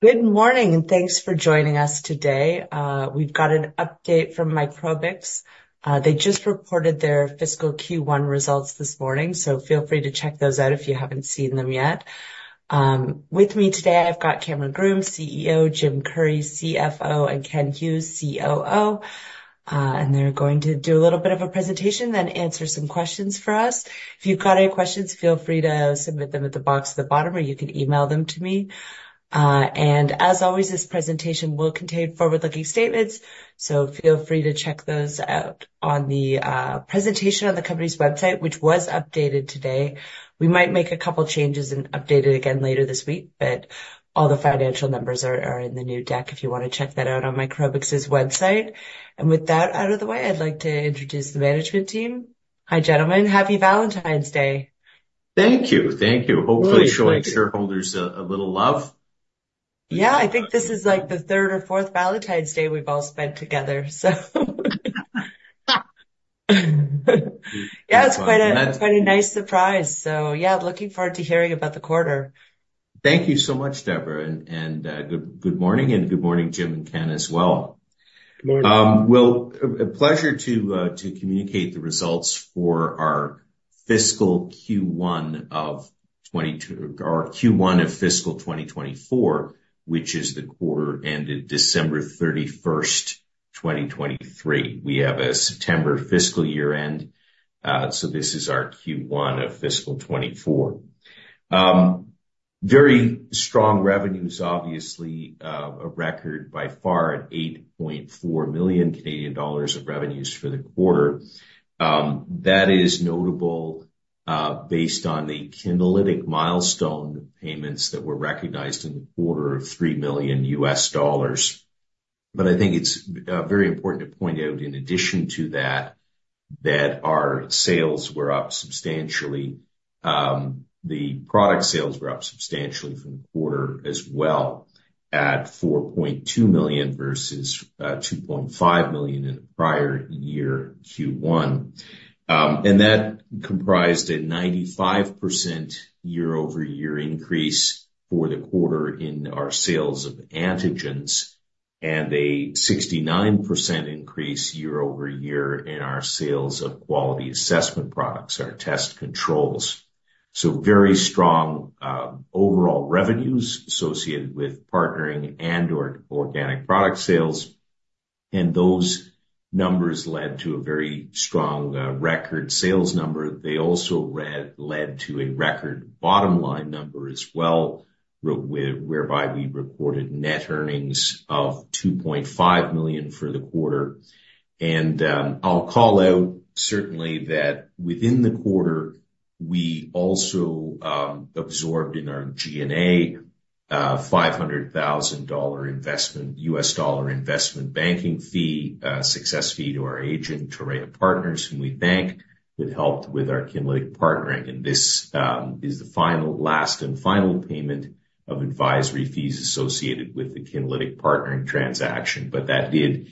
Good morning, and thanks for joining us today. We've got an update from Microbix. They just reported their fiscal Q1 results this morning, so feel free to check those out if you haven't seen them yet. With me today, I've got Cameron Groome, CEO, Jim Currie, CFO, and Ken Hughes, COO. They're going to do a little bit of a presentation, then answer some questions for us. If you've got any questions, feel free to submit them at the box at the bottom, or you can email them to me. As always, this presentation will contain forward-looking statements, so feel free to check those out on the presentation on the company's website, which was updated today. We might make a couple changes and update it again later this week, but all the financial numbers are in the new deck if you want to check that out on Microbix's website. With that out of the way, I'd like to introduce the management team. Hi, gentlemen. Happy Valentine's Day! Thank you. Thank you. Hopefully, showing shareholders a little love. Yeah, I think this is, like, the third or fourth Valentine's Day we've all spent together, so yeah, it's quite a, quite a nice surprise. So yeah, looking forward to hearing about the quarter. Thank you so much, Deborah, and good morning, and good morning, Jim and Ken, as well. Good morning. Well, a pleasure to communicate the results for our Q1 of fiscal 2024, which is the quarter ending December 31st, 2023. We have a September fiscal year end, so this is our Q1 of fiscal 2024. Very strong revenues, obviously, a record by far at 8.4 million Canadian dollars of revenues for the quarter. That is notable, based on the Kinlytic milestone payments that were recognized in the quarter of $3 million. But I think it's very important to point out, in addition to that, that our sales were up substantially. The product sales were up substantially from the quarter as well, at 4.2 million versus 2.5 million in the prior year Q1. and that comprised a 95% year-over-year increase for the quarter in our sales of antigens, and a 69% increase year-over-year in our sales of quality assessment products, our test controls. So very strong, overall revenues associated with partnering and/or organic product sales, and those numbers led to a very strong, record sales number. They also led to a record bottom line number as well, whereby we reported net earnings of 2.5 million for the quarter. And, I'll call out certainly that within the quarter, we also absorbed in our G&A, $500,000 US dollar investment banking fee, success fee to our agent, Torreya Partners, whom we bank, who helped with our Kinlytic partnering. And this is the final, last and final payment of advisory fees associated with the Kinlytic partnering transaction. But that did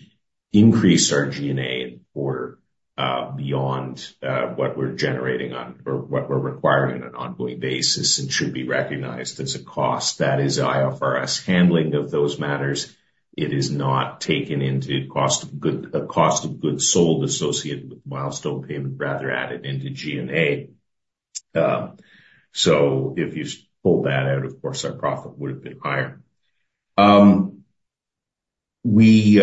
increase our G&A in order, beyond, what we're generating on or what we're requiring on an ongoing basis, and should be recognized as a cost. That is IFRS handling of those matters. It is not taken into cost of goods sold associated with the milestone payment, rather, added into G&A. So if you pull that out, of course, our profit would have been higher. We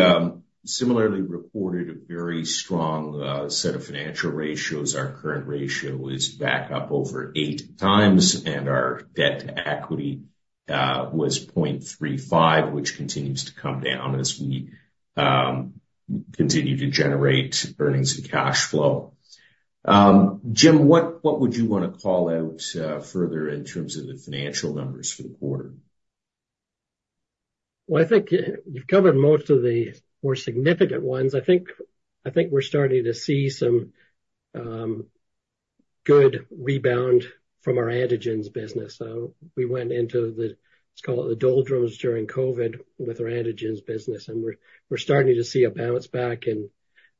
similarly reported a very strong set of financial ratios. Our current ratio is back up over eight times, and our debt-to-equity was 0.35, which continues to come down as we continue to generate earnings and cash flow. Jim, what would you want to call out further in terms of the financial numbers for the quarter? Well, I think you've covered most of the more significant ones. I think, I think we're starting to see some good rebound from our antigens business. So we went into the, let's call it, the doldrums during COVID with our antigens business, and we're, we're starting to see a bounce back in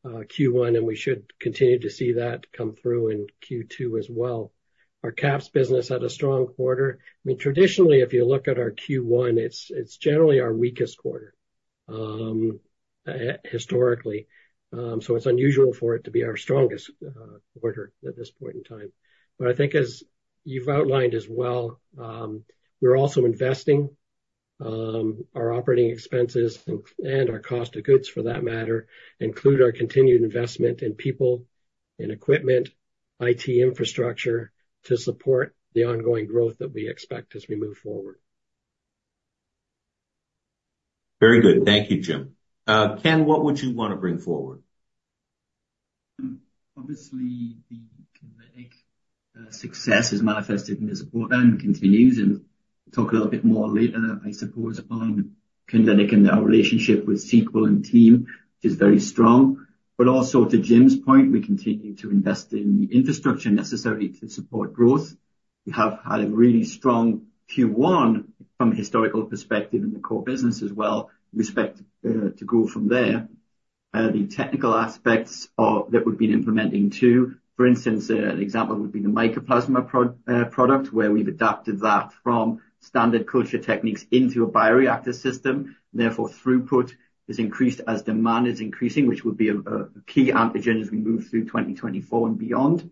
Q1, and we should continue to see that come through in Q2 as well. Our QAPs business had a strong quarter. I mean, traditionally, if you look at our Q1, it's, it's generally our weakest quarter historically. So it's unusual for it to be our strongest quarter at this point in time. But I think as you've outlined as well, we're also investing. Our operating expenses and our cost of goods, for that matter, include our continued investment in people, in equipment, IT infrastructure, to support the ongoing growth that we expect as we move forward. Very good. Thank you, Jim. Ken, what would you want to bring forward? Obviously, the Kinlytic success is manifested in the support and continues, and we'll talk a little bit more later, I suppose, on Kinlytic and our relationship with Sequel and team, which is very strong. But also, to Jim's point, we continue to invest in the infrastructure necessary to support growth. We have had a really strong Q1 from a historical perspective in the core business as well. We expect to grow from there. The technical aspects of that we've been implementing too. For instance, an example would be the mycoplasma product, where we've adapted that from standard culture techniques into a bioreactor system. Therefore, throughput is increased as demand is increasing, which will be a key antigen as we move through 2024 and beyond.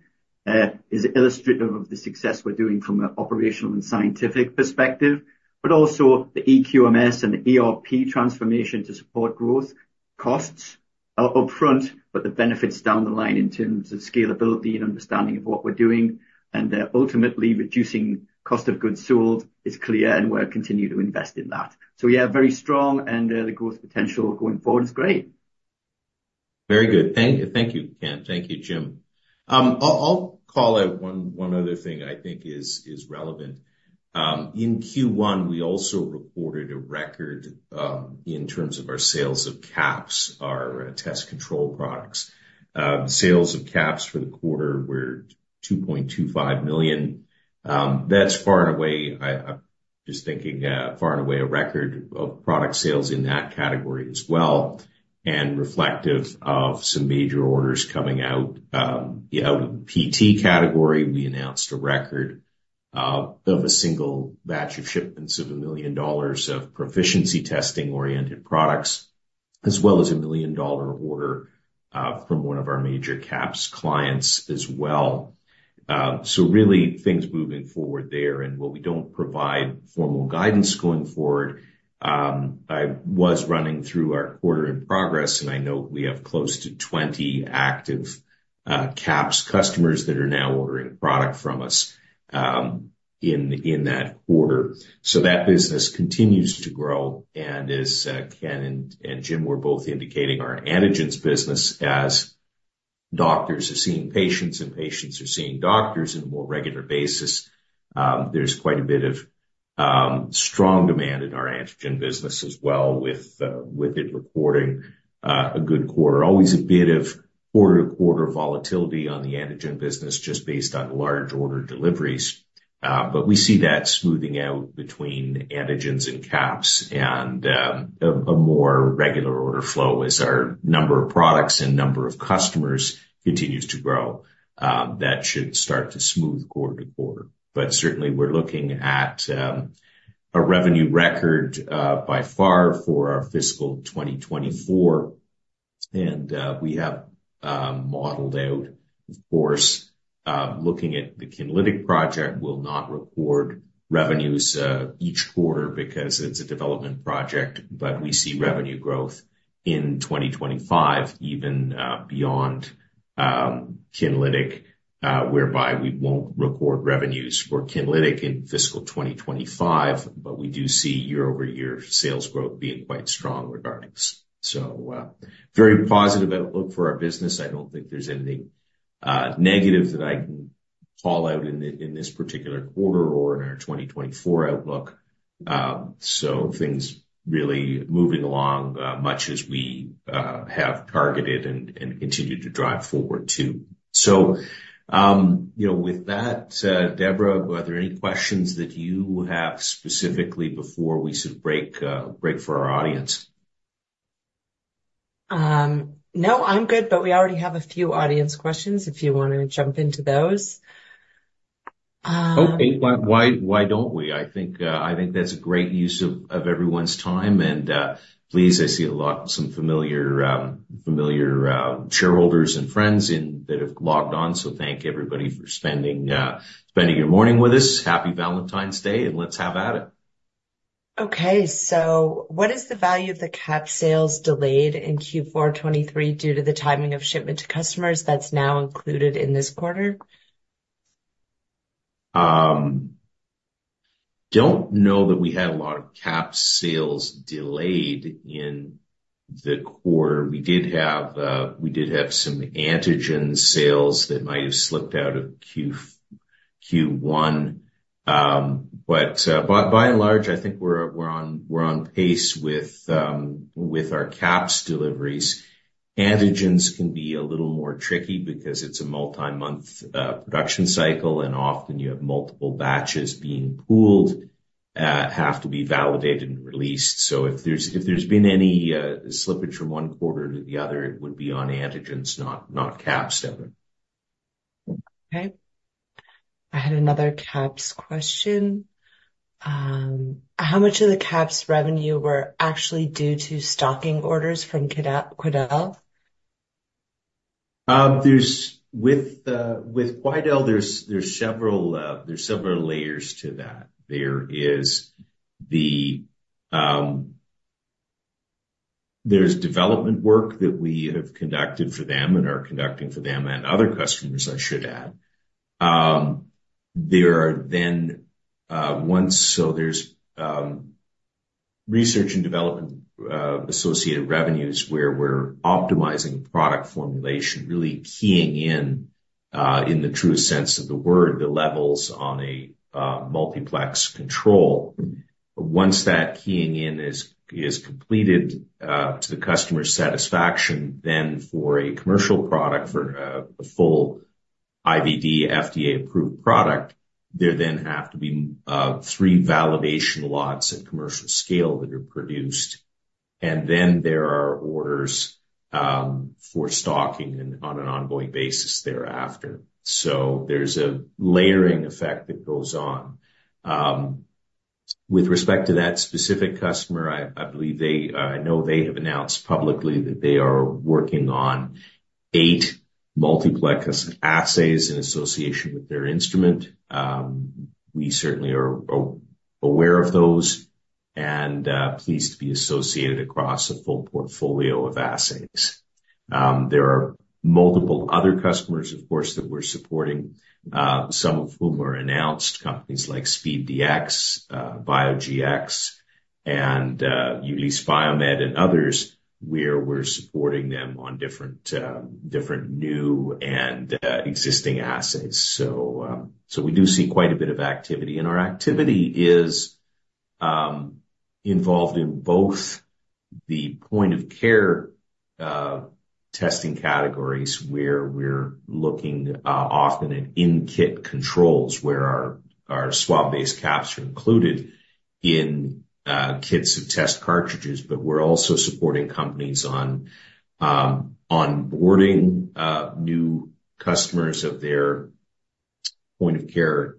Is illustrative of the success we're doing from an operational and scientific perspective, but also the EQMS and ERP transformation to support growth. Costs are upfront, but the benefit's down the line in terms of scalability and understanding of what we're doing, and ultimately, reducing cost of goods sold is clear, and we'll continue to invest in that. So yeah, very strong, and the growth potential going forward is great. Very good. Thank you, Ken. Thank you, Jim. I'll call out one other thing I think is relevant. In Q1, we also reported a record in terms of our sales of CAPS, our test control products. The sales of CAPS for the quarter were 2.25 million. That's far and away a record of product sales in that category as well, and reflective of some major orders coming out. Out in the PT category, we announced a record of a single batch of shipments of 1 million dollars of proficiency testing-oriented products, as well as a million-dollar order from one of our major CAPS clients as well. So really, things moving forward there, and while we don't provide formal guidance going forward, I was running through our quarter in progress, and I know we have close to 20 active QAPs customers that are now ordering product from us in that quarter. So that business continues to grow, and as Ken and Jim were both indicating, our antigens business, as doctors are seeing patients and patients are seeing doctors on a more regular basis, there's quite a bit of strong demand in our antigen business as well, with it reporting a good quarter. Always a bit of quarter-to-quarter volatility on the antigen business, just based on large order deliveries, but we see that smoothing out between antigens and QAPs and a more regular order flow as our number of products and number of customers continues to grow. That should start to smooth quarter to quarter. But certainly, we're looking at a revenue record by far for our fiscal 2024, and we have modeled out, of course, looking at the Kinlytic project will not record revenues each quarter because it's a development project, but we see revenue growth in 2025, even beyond Kinlytic, whereby we won't record revenues for Kinlytic in fiscal 2025, but we do see year-over-year sales growth being quite strong regardless. So, very positive outlook for our business. I don't think there's anything, negative that I can call out in the, in this particular quarter or in our 2024 outlook. So things really moving along, much as we have targeted and continue to drive forward, too. So, you know, with that, Deborah, are there any questions that you have specifically before we sort of break, break for our audience? No, I'm good, but we already have a few audience questions if you want to jump into those. Okay. Why don't we? I think that's a great use of everyone's time, and pleased I see a lot, some familiar shareholders and friends that have logged on. So thank everybody for spending your morning with us. Happy Valentine's Day, and let's have at it. Okay, so what is the value of the QAPs sales delayed in Q4 2023 due to the timing of shipment to customers that's now included in this quarter? Don't know that we had a lot of QAPs sales delayed in the quarter. We did have some antigen sales that might have slipped out of Q1. But by and large, I think we're on pace with our QAPs deliveries. Antigens can be a little more tricky because it's a multi-month production cycle, and often you have multiple batches being pooled have to be validated and released. So if there's been any slippage from one quarter to the other, it would be on antigens, not QAPs, Deborah. Okay. I had another QAPs question. How much of the QAPs revenue were actually due to stocking orders from Quidel, Quidel? With Quidel, there's several layers to that. There is the development work that we have conducted for them and are conducting for them and other customers, I should add. There are then research and development associated revenues, where we're optimizing product formulation, really keying in, in the true sense of the word, the levels on a multiplex control. Once that keying in is completed to the customer's satisfaction, then for a commercial product, for a full IVD FDA approved product, there then have to be three validation lots at commercial scale that are produced, and then there are orders for stocking and on an ongoing basis thereafter. So there's a layering effect that goes on. With respect to that specific customer, I believe they, I know they have announced publicly that they are working on eight multiplex assays in association with their instrument. We certainly are aware of those and pleased to be associated across a full portfolio of assays. There are multiple other customers, of course, that we're supporting, some of whom are announced, companies like SpeeDx, BioGX, and Ulisse Biomed and others, where we're supporting them on different, different new and existing assays. So we do see quite a bit of activity, and our activity is involved in both the point of care testing categories, where we're looking often at in-kit controls, where our swab-based caps are included in kits of test cartridges. But we're also supporting companies on onboarding new customers of their point-of-care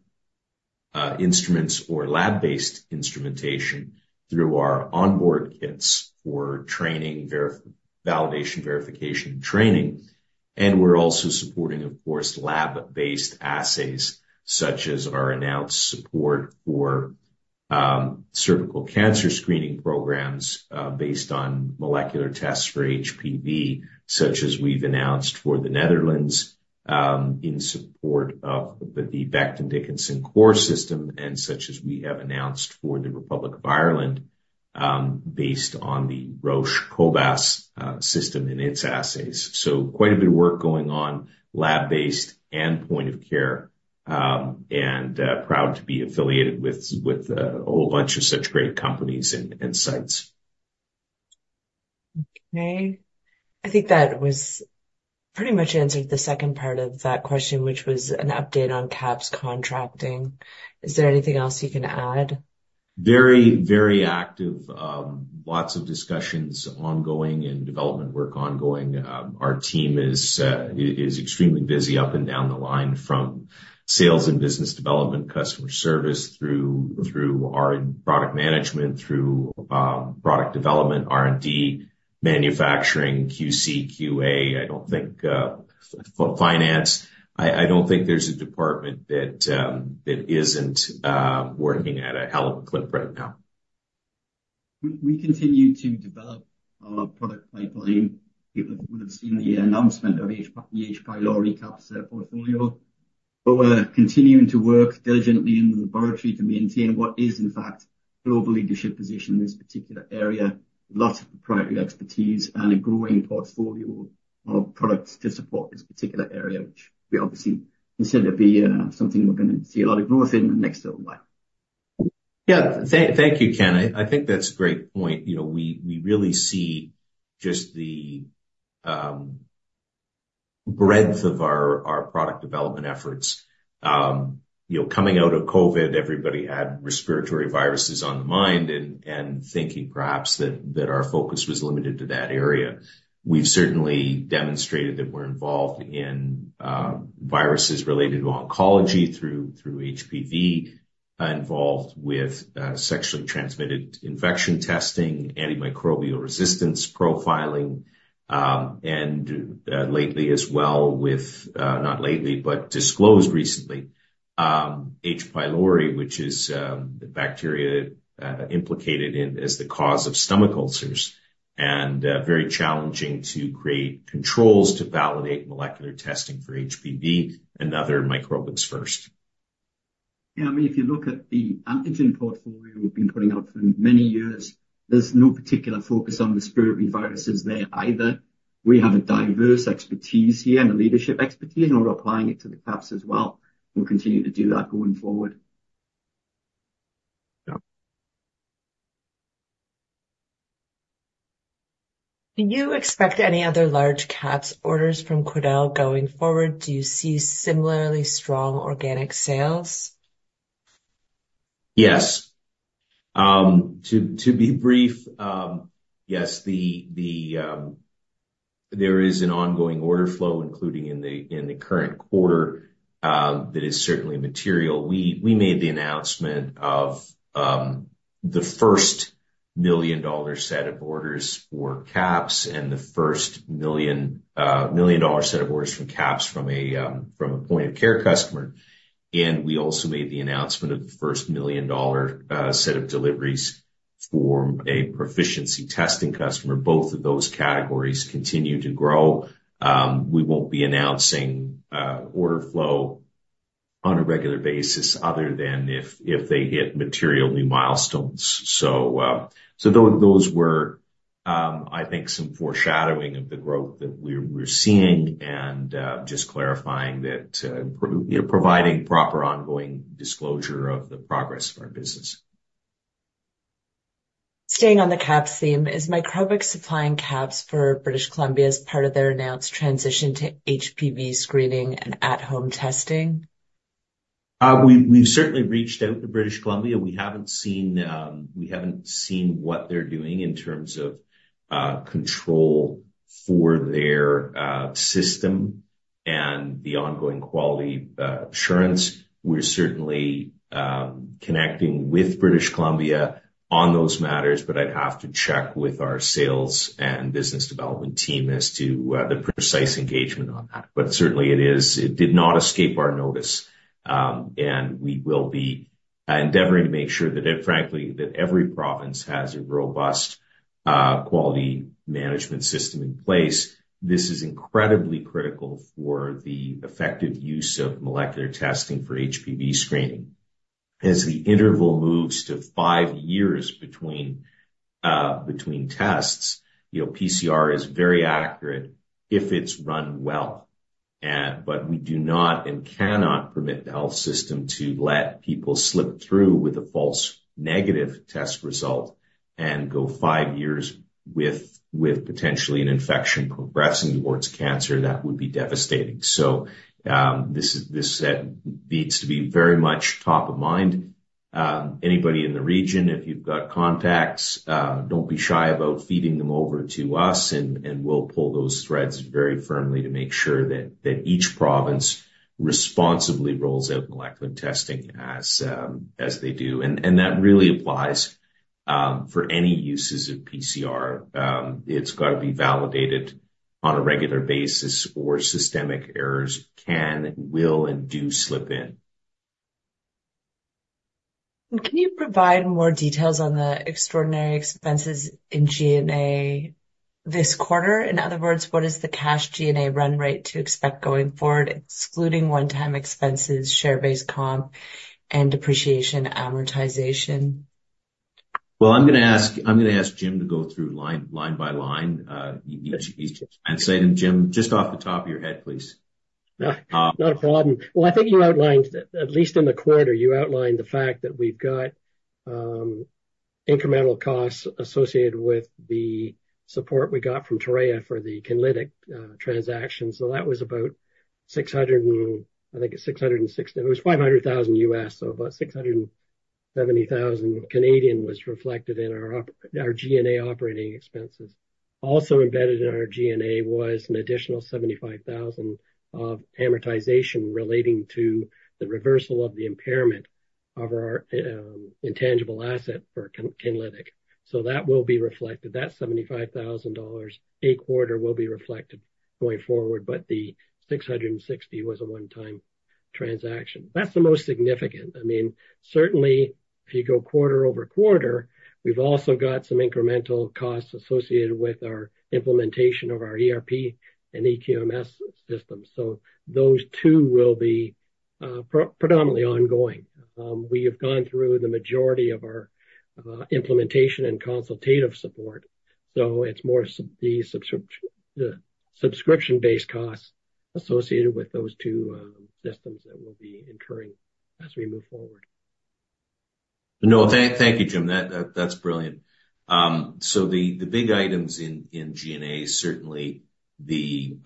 instruments or lab-based instrumentation through our onboard kits for training, validation, verification, and training. And we're also supporting, of course, lab-based assays, such as our announced support for cervical cancer screening programs based on molecular tests for HPV, such as we've announced for the Netherlands in support of the Becton Dickinson Onclarity system, and such as we have announced for the Republic of Ireland based on the Roche Cobas system and its assays. So quite a bit of work going on, lab-based and point of care, and proud to be affiliated with a whole bunch of such great companies and sites. Okay. I think that was pretty much answered the second part of that question, which was an update on QAPs contracting. Is there anything else you can add? Very, very active. Lots of discussions ongoing and development work ongoing. Our team is extremely busy up and down the line from sales and business development, customer service, through our product management, through product development, R&D, manufacturing, QC, QA. I don't think finance. I don't think there's a department that isn't working at a hell of a clip right now. We continue to develop our product pipeline. People would have seen the announcement of the H. pylori QAPs portfolio. But we're continuing to work diligently in the laboratory to maintain what is, in fact, global leadership position in this particular area, lots of proprietary expertise and a growing portfolio of products to support this particular area, which we obviously consider to be something we're gonna see a lot of growth in the next little while. Yeah. Thank you, Ken. I think that's a great point. You know, we really see just the breadth of our product development efforts. You know, coming out of COVID, everybody had respiratory viruses on the mind and thinking perhaps that our focus was limited to that area. We've certainly demonstrated that we're involved in viruses related to oncology through HPV, involved with sexually transmitted infection testing, antimicrobial resistance profiling, and lately as well with not lately, but disclosed recently, H. pylori, which is the bacteria implicated as the cause of stomach ulcers, and very challenging to create controls to validate molecular testing for HPV and other microbes first. Yeah, I mean, if you look at the antigen portfolio we've been putting out for many years, there's no particular focus on respiratory viruses there either. We have a diverse expertise here and a leadership expertise, and we're applying it to the QAPs as well. We'll continue to do that going forward. Yeah. Do you expect any other large QAPs orders from Quidel going forward? Do you see similarly strong organic sales? Yes. To be brief, yes, the there is an ongoing order flow, including in the current quarter, that is certainly material. We made the announcement of the first 1 million dollar set of orders for QAPs and the first million-dollar set of orders from QAPs from a point-of-care customer. And we also made the announcement of the first 1 million dollar set of deliveries for a proficiency testing customer. Both of those categories continue to grow. We won't be announcing order flow on a regular basis other than if they hit material new milestones. So those were, I think, some foreshadowing of the growth that we're seeing and just clarifying that, you know, providing proper ongoing disclosure of the progress of our business. Staying on the caps theme, is Microbix supplying caps for British Columbia as part of their announced transition to HPV screening and at-home testing? We've certainly reached out to British Columbia. We haven't seen what they're doing in terms of control for their system and the ongoing quality assurance. We're certainly connecting with British Columbia on those matters, but I'd have to check with our sales and business development team as to the precise engagement on that. But certainly it did not escape our notice. And we will be endeavoring to make sure that it, frankly, that every province has a robust quality management system in place. This is incredibly critical for the effective use of molecular testing for HPV screening. As the interval moves to five years between tests, you know, PCR is very accurate if it's run well. But we do not and cannot permit the health system to let people slip through with a false negative test result and go five years with potentially an infection progressing towards cancer. That would be devastating. So this needs to be very much top of mind. Anybody in the region, if you've got contacts, don't be shy about feeding them over to us, and we'll pull those threads very firmly to make sure that each province responsibly rolls out molecular testing as they do. That really applies for any uses of PCR. It's got to be validated on a regular basis, or systemic errors can, will, and do slip in. Can you provide more details on the extraordinary expenses in GNA this quarter? In other words, what is the cash GNA run rate to expect going forward, excluding one-time expenses, share-based comp, and depreciation amortization? Well, I'm gonna ask Jim to go through line by line each item. Jim, just off the top of your head, please. Not a problem. Well, I think you outlined, at least in the quarter, you outlined the fact that we've got incremental costs associated with the support we got from Torreya for the Kinlytic transaction. So that was about 660,000. It was $500,000, so about 670,000 was reflected in our G&A operating expenses. Also embedded in our G&A was an additional 75,000 of amortization relating to the reversal of the impairment of our intangible asset for Kinlytic. So that will be reflected. That 75,000 dollars a quarter will be reflected going forward, but the 660,000 was a one-time transaction. That's the most significant. I mean, certainly, if you go quarter-over-quarter, we've also got some incremental costs associated with our implementation of our ERP and EQMS system. So those two will be predominantly ongoing. We have gone through the majority of our implementation and consultative support, so it's more the subscription-based costs associated with those two systems that we'll be incurring as we move forward. No, thank you, Jim. That's brilliant. So the big items in GNA is certainly the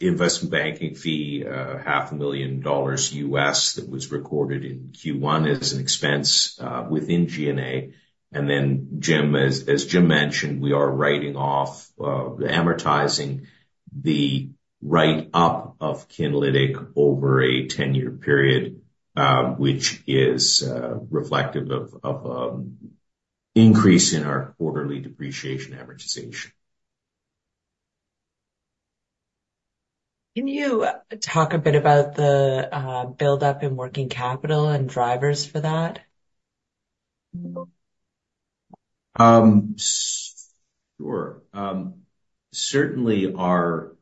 investment banking fee, $500,000, that was recorded in Q1 as an expense within GNA. And then Jim, as Jim mentioned, we are writing off the amortizing the write-up of Kinlytic over a 10-year period, which is reflective of increase in our quarterly depreciation amortization. Can you talk a bit about the buildup in working capital and drivers for that? Sure. Certainly our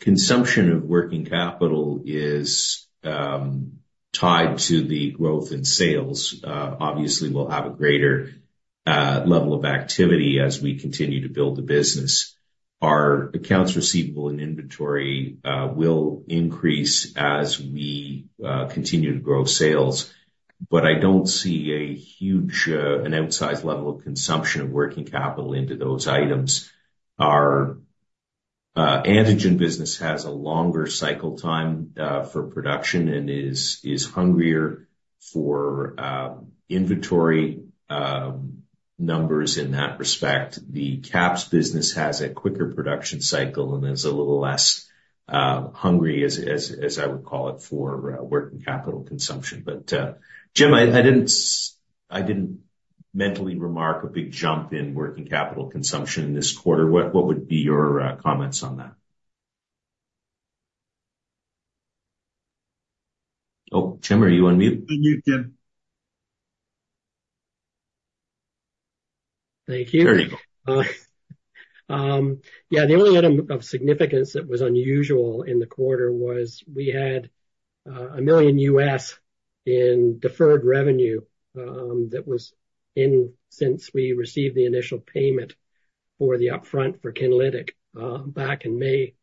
consumption of working capital is tied to the growth in sales. Obviously, we'll have a greater level of activity as we continue to build the business. Our accounts receivable and inventory will increase as we continue to grow sales. But I don't see a huge, an outsized level of consumption of working capital into those items. Our antigen business has a longer cycle time for production and is hungrier for inventory numbers in that respect. The caps business has a quicker production cycle and is a little less hungry, as I would call it, for working capital consumption. But, Jim, I didn't mentally remark a big jump in working capital consumption this quarter. What would be your comments on that? Oh, Jim, are you on mute? Unmute, Jim. Thank you. There you go. Yeah, the only item of significance that was unusual in the quarter was we had $1 million in deferred revenue that was in since we received the initial payment for the upfront for Kinlytic back in May,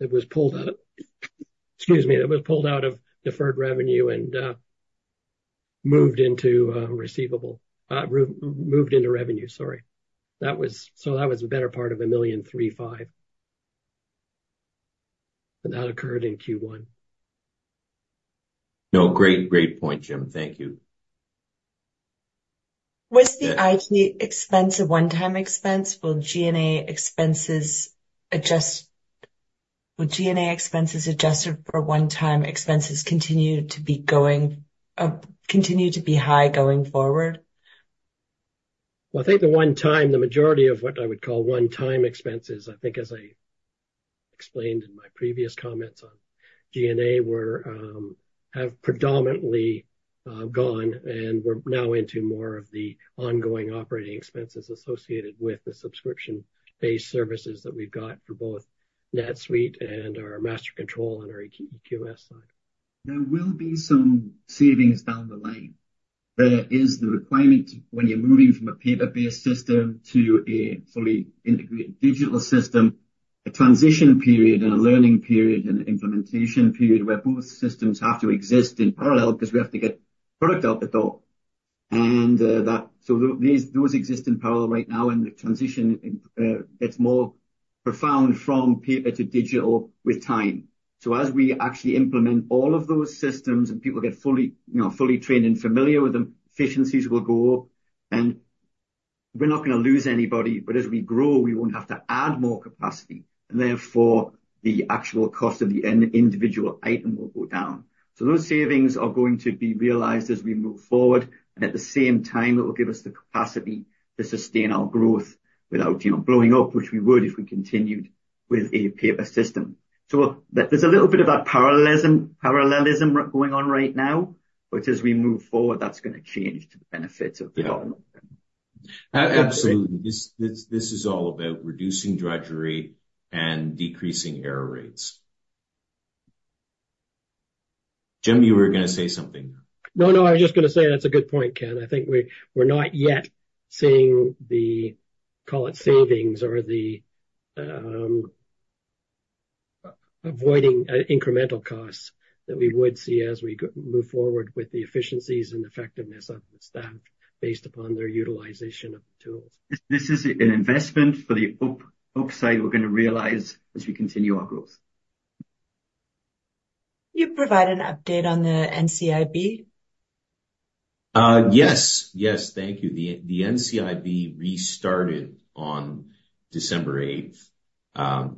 that was pulled out, excuse me, that was pulled out of deferred revenue and moved into receivable. Moved into revenue, sorry. That was, so that was the better part of $1.35 million. That occurred in Q1. No, great, great point, Jim. Thank you. Was the IT expense a one-time expense? Will G&A expenses adjust? Will G&A expenses adjusted for one-time expenses continue to be going, continue to be high going forward? Well, I think the one time, the majority of what I would call one-time expenses, I think as I explained in my previous comments on GNA, were have predominantly gone, and we're now into more of the ongoing operating expenses associated with the subscription-based services that we've got for both NetSuite and our MasterControl on our EQMS side. There will be some savings down the line. There is the requirement when you're moving from a paper-based system to a fully integrated digital system, a transition period and a learning period and an implementation period, where both systems have to exist in parallel because we have to get product out the door. And, that, so those, those exist in parallel right now, and the transition, gets more profound from paper to digital with time. So as we actually implement all of those systems and people get fully, you know, fully trained and familiar with them, efficiencies will go up. And we're not gonna lose anybody, but as we grow, we won't have to add more capacity, and therefore, the actual cost of the end individual item will go down. So those savings are going to be realized as we move forward, and at the same time, it will give us the capacity to sustain our growth without, you know, blowing up, which we would if we continued with a paper system. So there, there's a little bit of that parallelism going on right now, but as we move forward, that's gonna change to the benefit of the bottom line. Absolutely. This is all about reducing drudgery and decreasing error rates. Jim, you were gonna say something? No, no, I was just gonna say, that's a good point, Ken. I think we're not yet seeing the, call it, savings or the avoiding incremental costs that we would see as we move forward with the efficiencies and effectiveness of the staff based upon their utilization of tools. This is an investment for the upside we're gonna realize as we continue our growth. Can you provide an update on the NCIB? Yes. Yes, thank you. The NCIB restarted on December 8th,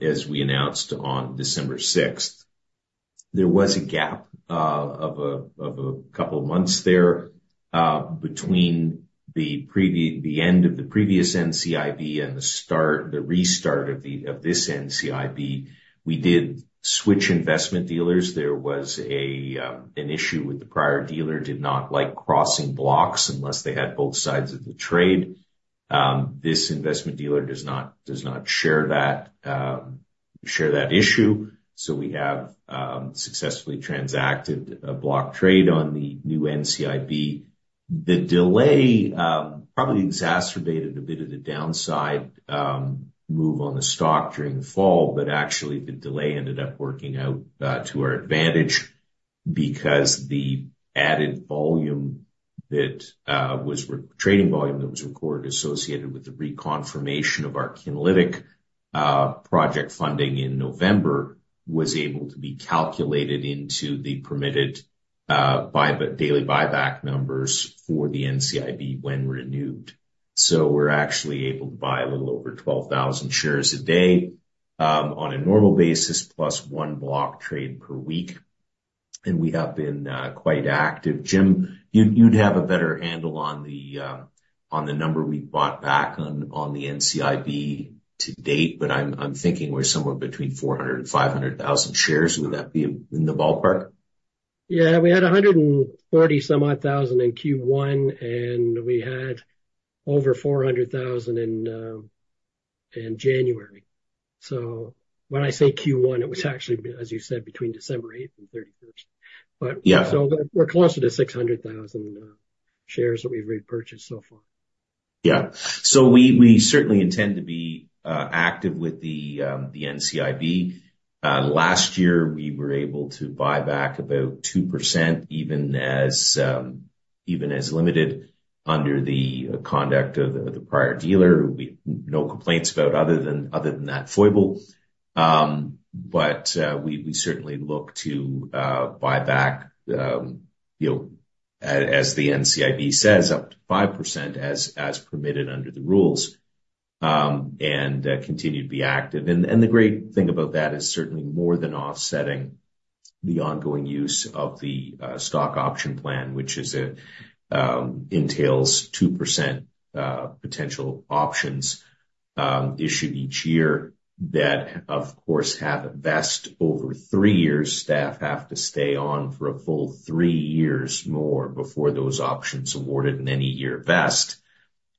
as we announced on December 6th. There was a gap of a couple of months there, between the end of the previous NCIB and the start, the restart of this NCIB. We did switch investment dealers. There was an issue with the prior dealer, did not like crossing blocks unless they had both sides of the trade. This investment dealer does not share that issue, so we have successfully transacted a block trade on the new NCIB. The delay probably exacerbated a bit of the downside move on the stock during the fall, but actually, the delay ended up working out to our advantage because the added volume that was re... Trading volume that was recorded associated with the reconfirmation of our Kinlytic project funding in November was able to be calculated into the permitted daily buyback numbers for the NCIB when renewed. So we're actually able to buy a little over 12,000 shares a day on a normal basis, plus one block trade per week. And we have been quite active. Jim, you'd have a better handle on the number we've bought back on the NCIB to date, but I'm thinking we're somewhere between 400,000 and 500,000 shares. Would that be in the ballpark? Yeah, we had CAD 140-some-odd thousand in Q1, and we had over 400,000 in January. So when I say Q1, it was actually, as you said, between December 8th and 31st. But- Yeah. We're closer to 600,000 shares that we've repurchased so far. Yeah. So we certainly intend to be active with the NCIB. Last year, we were able to buy back about 2%, even as limited under the conduct of the prior dealer, no complaints about other than that foible. But we certainly look to buy back, you know, as the NCIB says, up to 5% as permitted under the rules, and continue to be active. And the great thing about that is certainly more than offsetting the ongoing use of the stock option plan, which entails 2% potential options issued each year. That, of course, have a vest over three years. Staff have to stay on for a full three years more before those options awarded in any year vest.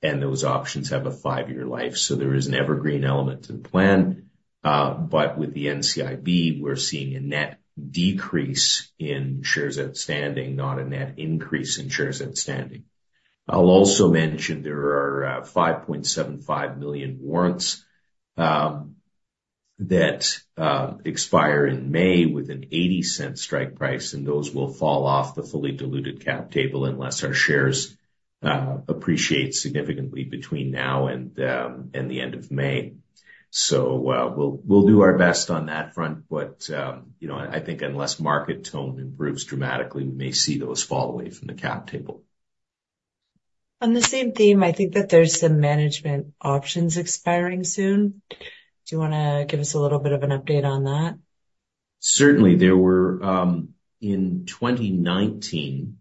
Those options have a five-year life. So there is an evergreen element to the plan. But with the NCIB, we're seeing a net decrease in shares outstanding, not a net increase in shares outstanding. I'll also mention there are 5.75 million warrants that expire in May with a 0.80 strike price, and those will fall off the fully diluted cap table unless our shares appreciate significantly between now and the end of May. So, we'll do our best on that front, but you know, I think unless market tone improves dramatically, we may see those fall away from the cap table. On the same theme, I think that there's some management options expiring soon. Do you wanna give us a little bit of an update on that? Certainly. There were, in 2019,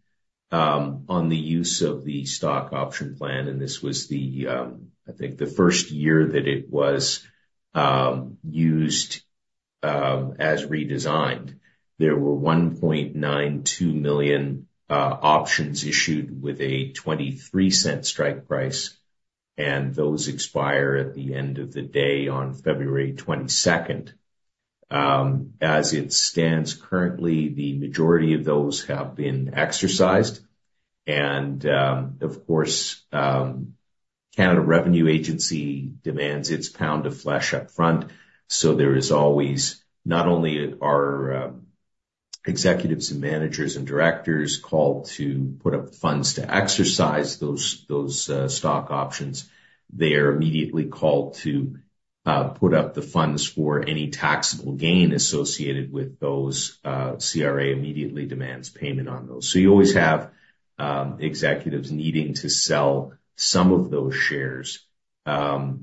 on the use of the stock option plan, and this was the, I think the first year that it was, used, as redesigned. There were 1.92 million options issued with a 0.23 strike price, and those expire at the end of the day on February 22nd. As it stands currently, the majority of those have been exercised, and, of course, Canada Revenue Agency demands its pound of flesh up front, so there is always, not only are, executives and managers and directors called to put up funds to exercise those stock options, they are immediately called to, put up the funds for any taxable gain associated with those, CRA immediately demands payment on those. So you always have executives needing to sell some of those shares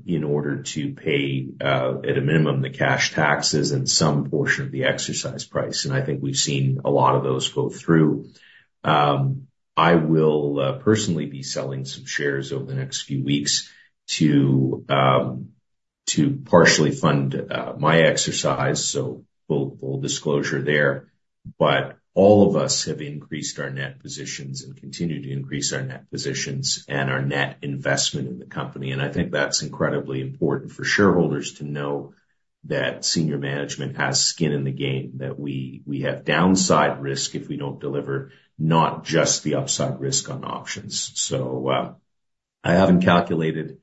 in order to pay, at a minimum, the cash taxes and some portion of the exercise price, and I think we've seen a lot of those go through. I will personally be selling some shares over the next few weeks to to partially fund my exercise, so full, full disclosure there. But all of us have increased our net positions and continue to increase our net positions and our net investment in the company, and I think that's incredibly important for shareholders to know that senior management has skin in the game, that we, we have downside risk if we don't deliver, not just the upside risk on options. So, I haven't calculated,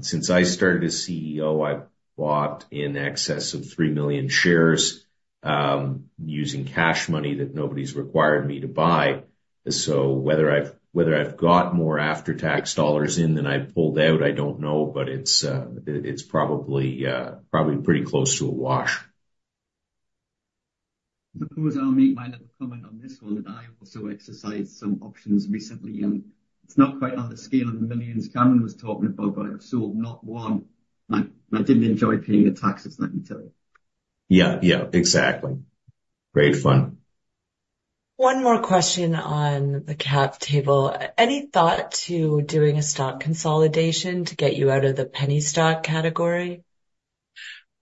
since I started as CEO, I've bought in excess of three million shares, using cash money that nobody's required me to buy. So whether I've, whether I've got more after-tax dollars in than I've pulled out, I don't know, but it's, it's probably, probably pretty close to a wash. So, I'll make my little comment on this one, that I also exercised some options recently, and it's not quite on the scale of the millions Cameron was talking about, but I've sold not one. I didn't enjoy paying the taxes, let me tell you. Yeah. Yeah, exactly. Great fun. One more question on the cap table. Any thought to doing a stock consolidation to get you out of the penny stock category?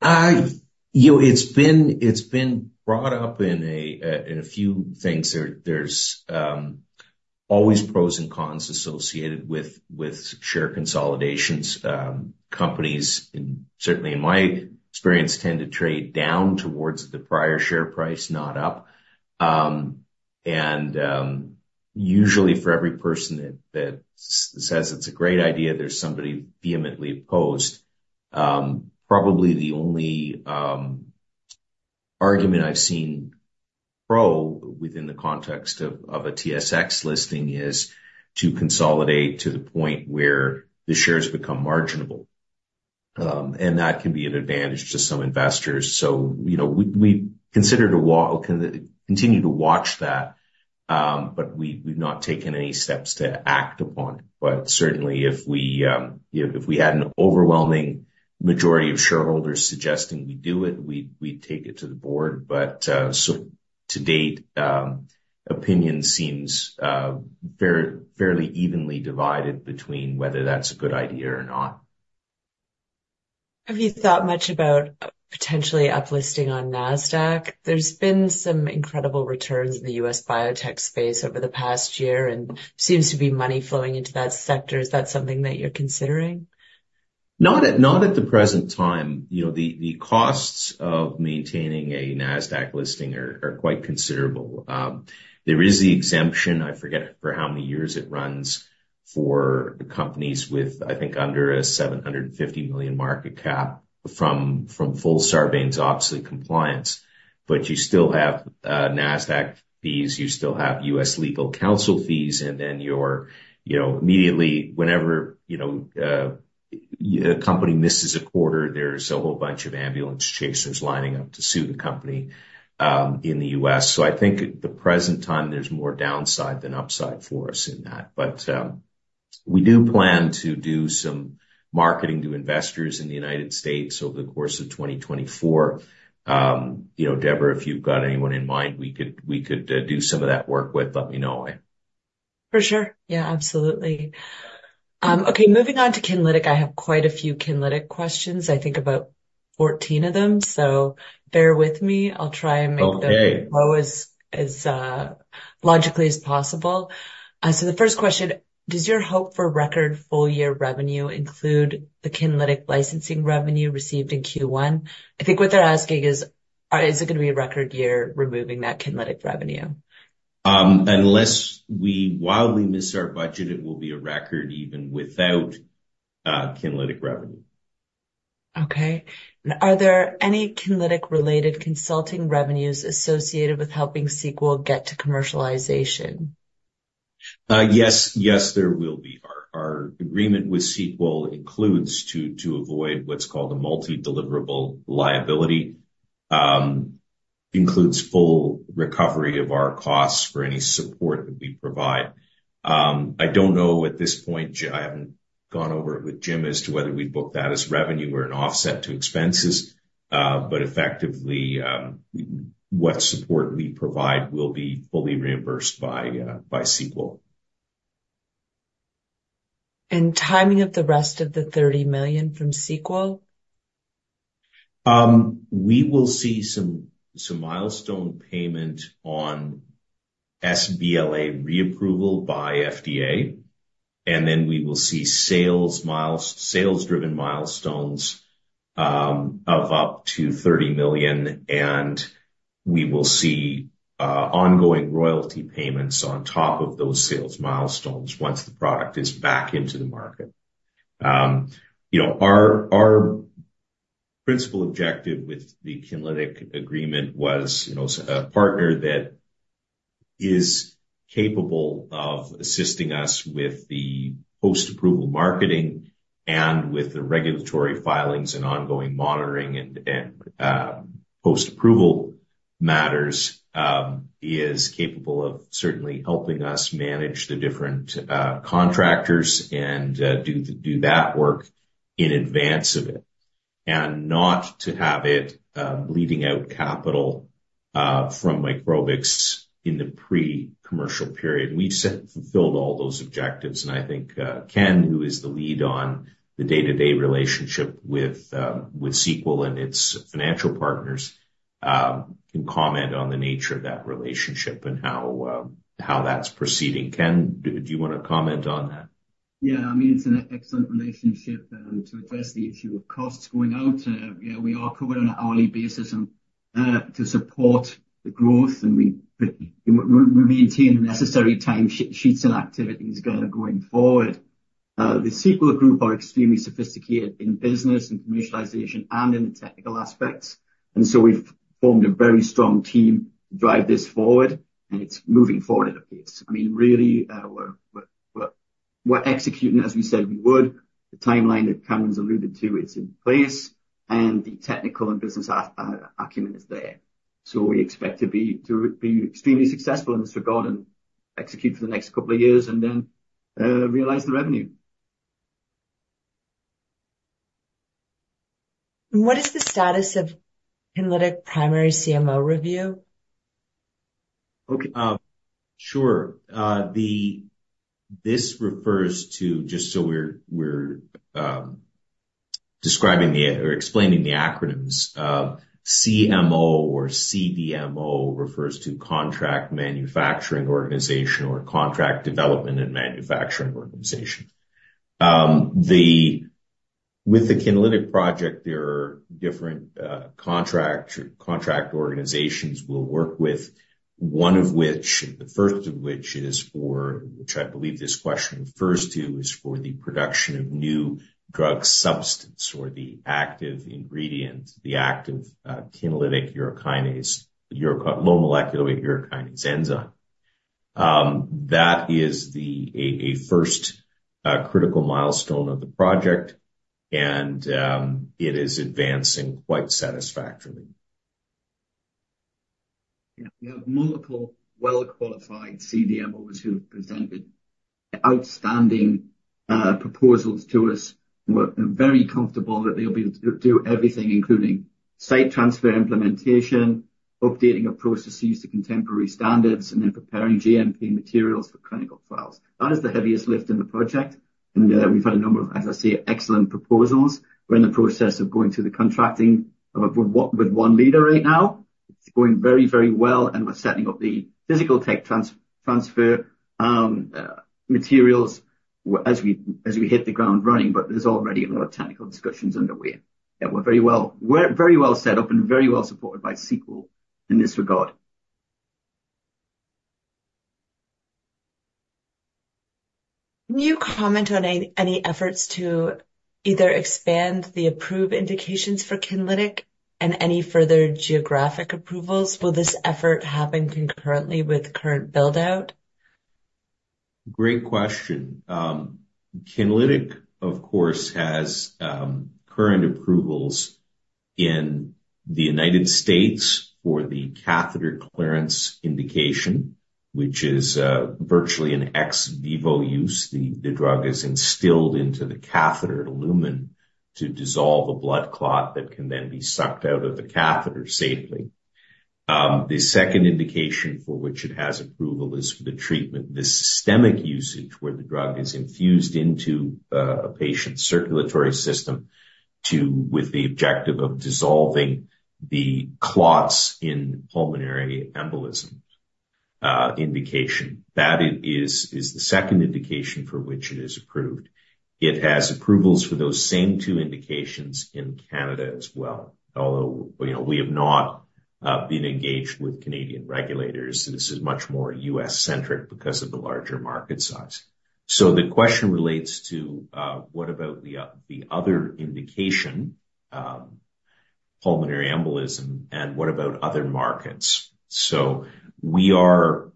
You know, it's been brought up in a few things. There's always pros and cons associated with share consolidations. Companies, and certainly in my experience, tend to trade down towards the prior share price, not up. Usually for every person that says it's a great idea, there's somebody vehemently opposed. Probably the only argument I've seen pro within the context of a TSX listing is to consolidate to the point where the shares become marginable, and that can be an advantage to some investors. So, you know, we considered a way to continue to watch that, but we've not taken any steps to act upon it. But certainly if we, you know, if we had an overwhelming majority of shareholders suggesting we do it, we'd take it to the board. But, so to date, opinion seems very fairly evenly divided between whether that's a good idea or not. Have you thought much about potentially uplisting on Nasdaq? There's been some incredible returns in the U.S. biotech space over the past year, and seems to be money flowing into that sector. Is that something that you're considering? Not at the present time. You know, the costs of maintaining a Nasdaq listing are quite considerable. There is the exemption, I forget for how many years it runs, for companies with, I think, under a $750 million market cap from full Sarbanes-Oxley compliance. But you still have Nasdaq fees, you still have U.S. legal counsel fees, and then you're, you know, immediately whenever, you know, a company misses a quarter, there's a whole bunch of ambulance chasers lining up to sue the company in the U.S. So I think at the present time, there's more downside than upside for us in that. But we do plan to do some marketing to investors in the United States over the course of 2024. You know, Deborah, if you've got anyone in mind, we could do some of that work with. Let me know. For sure. Yeah, absolutely. Okay, moving on to Kinlytic. I have quite a few Kinlytic questions. I think about 14 of them, so bear with me. I'll try and make them- Okay. logically as possible. So the first question: Does your hope for record full-year revenue include the Kinlytic licensing revenue received in Q1? I think what they're asking is: Is it going to be a record year removing that Kinlytic revenue? Unless we wildly miss our budget, it will be a record even without Kinlytic revenue. Okay. And are there any Kinlytic-related consulting revenues associated with helping Sequel get to commercialization? Yes. Yes, there will be. Our agreement with Sequel includes, to avoid what's called a multi-deliverable liability, full recovery of our costs for any support that we provide. I don't know at this point. I haven't gone over it with Jim as to whether we'd book that as revenue or an offset to expenses. But effectively, what support we provide will be fully reimbursed by Sequel. Timing of the rest of the $30 million from Sequel? We will see some milestone payment on sBLA reapproval by FDA, and then we will see sales-driven milestones of up to $30 million, and we will see ongoing royalty payments on top of those sales milestones once the product is back into the market. You know, our principal objective with the Kinlytic agreement was, you know, a partner that is capable of assisting us with the post-approval marketing and with the regulatory filings and ongoing monitoring and post-approval matters. Is capable of certainly helping us manage the different contractors and do that work in advance of it. And not to have it bleeding out capital from Microbix in the pre-commercial period. We've set, fulfilled all those objectives, and I think, Ken, who is the lead on the day-to-day relationship with Sequel and its financial partners, can comment on the nature of that relationship and how that's proceeding. Ken, do you want to comment on that? Yeah, I mean, it's an excellent relationship, and to address the issue of costs going out, yeah, we are covered on an hourly basis and to support the growth, and we maintain the necessary time sheets and activities going forward. The Sequel group are extremely sophisticated in business and commercialization and in the technical aspects, and so we've formed a very strong team to drive this forward, and it's moving forward at a pace. I mean, really, we're executing as we said we would. The timeline that Cameron's alluded to is in place, and the technical and business acumen is there. So we expect to be extremely successful in this regard and execute for the next couple of years and then realize the revenue. What is the status of Kinlytic primary CMO review? Okay, sure. This refers to, just so we're describing or explaining the acronyms, CMO or CDMO refers to Contract Manufacturing Organization or Contract Development and Manufacturing Organization. With the Kinlytic project, there are different contract organizations we'll work with, one of which, the first of which is for, which I believe this question refers to, is for the production of new drug substance or the active ingredient, the active Kinlytic urokinase, low molecular weight urokinase enzyme. That is a first critical milestone of the project, and it is advancing quite satisfactorily. Yeah, we have multiple well-qualified CDMOs who have presented outstanding proposals to us. We're very comfortable that they'll be able to do everything, including site transfer implementation, updating of processes to contemporary standards, and then preparing GMP materials for clinical trials. That is the heaviest lift in the project, and we've had a number of, as I say, excellent proposals. We're in the process of going through the contracting with one leader right now. It's going very, very well, and we're setting up the physical tech transfer materials as we hit the ground running, but there's already a lot of technical discussions underway. Yeah, we're very well set up and very well supported by Sequel in this regard. Can you comment on any efforts to either expand the approved indications for Kinlytic and any further geographic approvals? Will this effort happen concurrently with current build-out? Great question. Kinlytic, of course, has current approvals in the United States for the catheter clearance indication, which is virtually an ex vivo use. The drug is instilled into the catheter lumen to dissolve a blood clot that can then be sucked out of the catheter safely. The second indication for which it has approval is for the treatment, the systemic usage, where the drug is infused into a patient's circulatory system to with the objective of dissolving the clots in pulmonary embolisms indication. That is the second indication for which it is approved. It has approvals for those same two indications in Canada as well, although, you know, we have not been engaged with Canadian regulators. This is much more U.S.-centric because of the larger market size. So the question relates to what about the other indication, pulmonary embolism, and what about other markets? So we are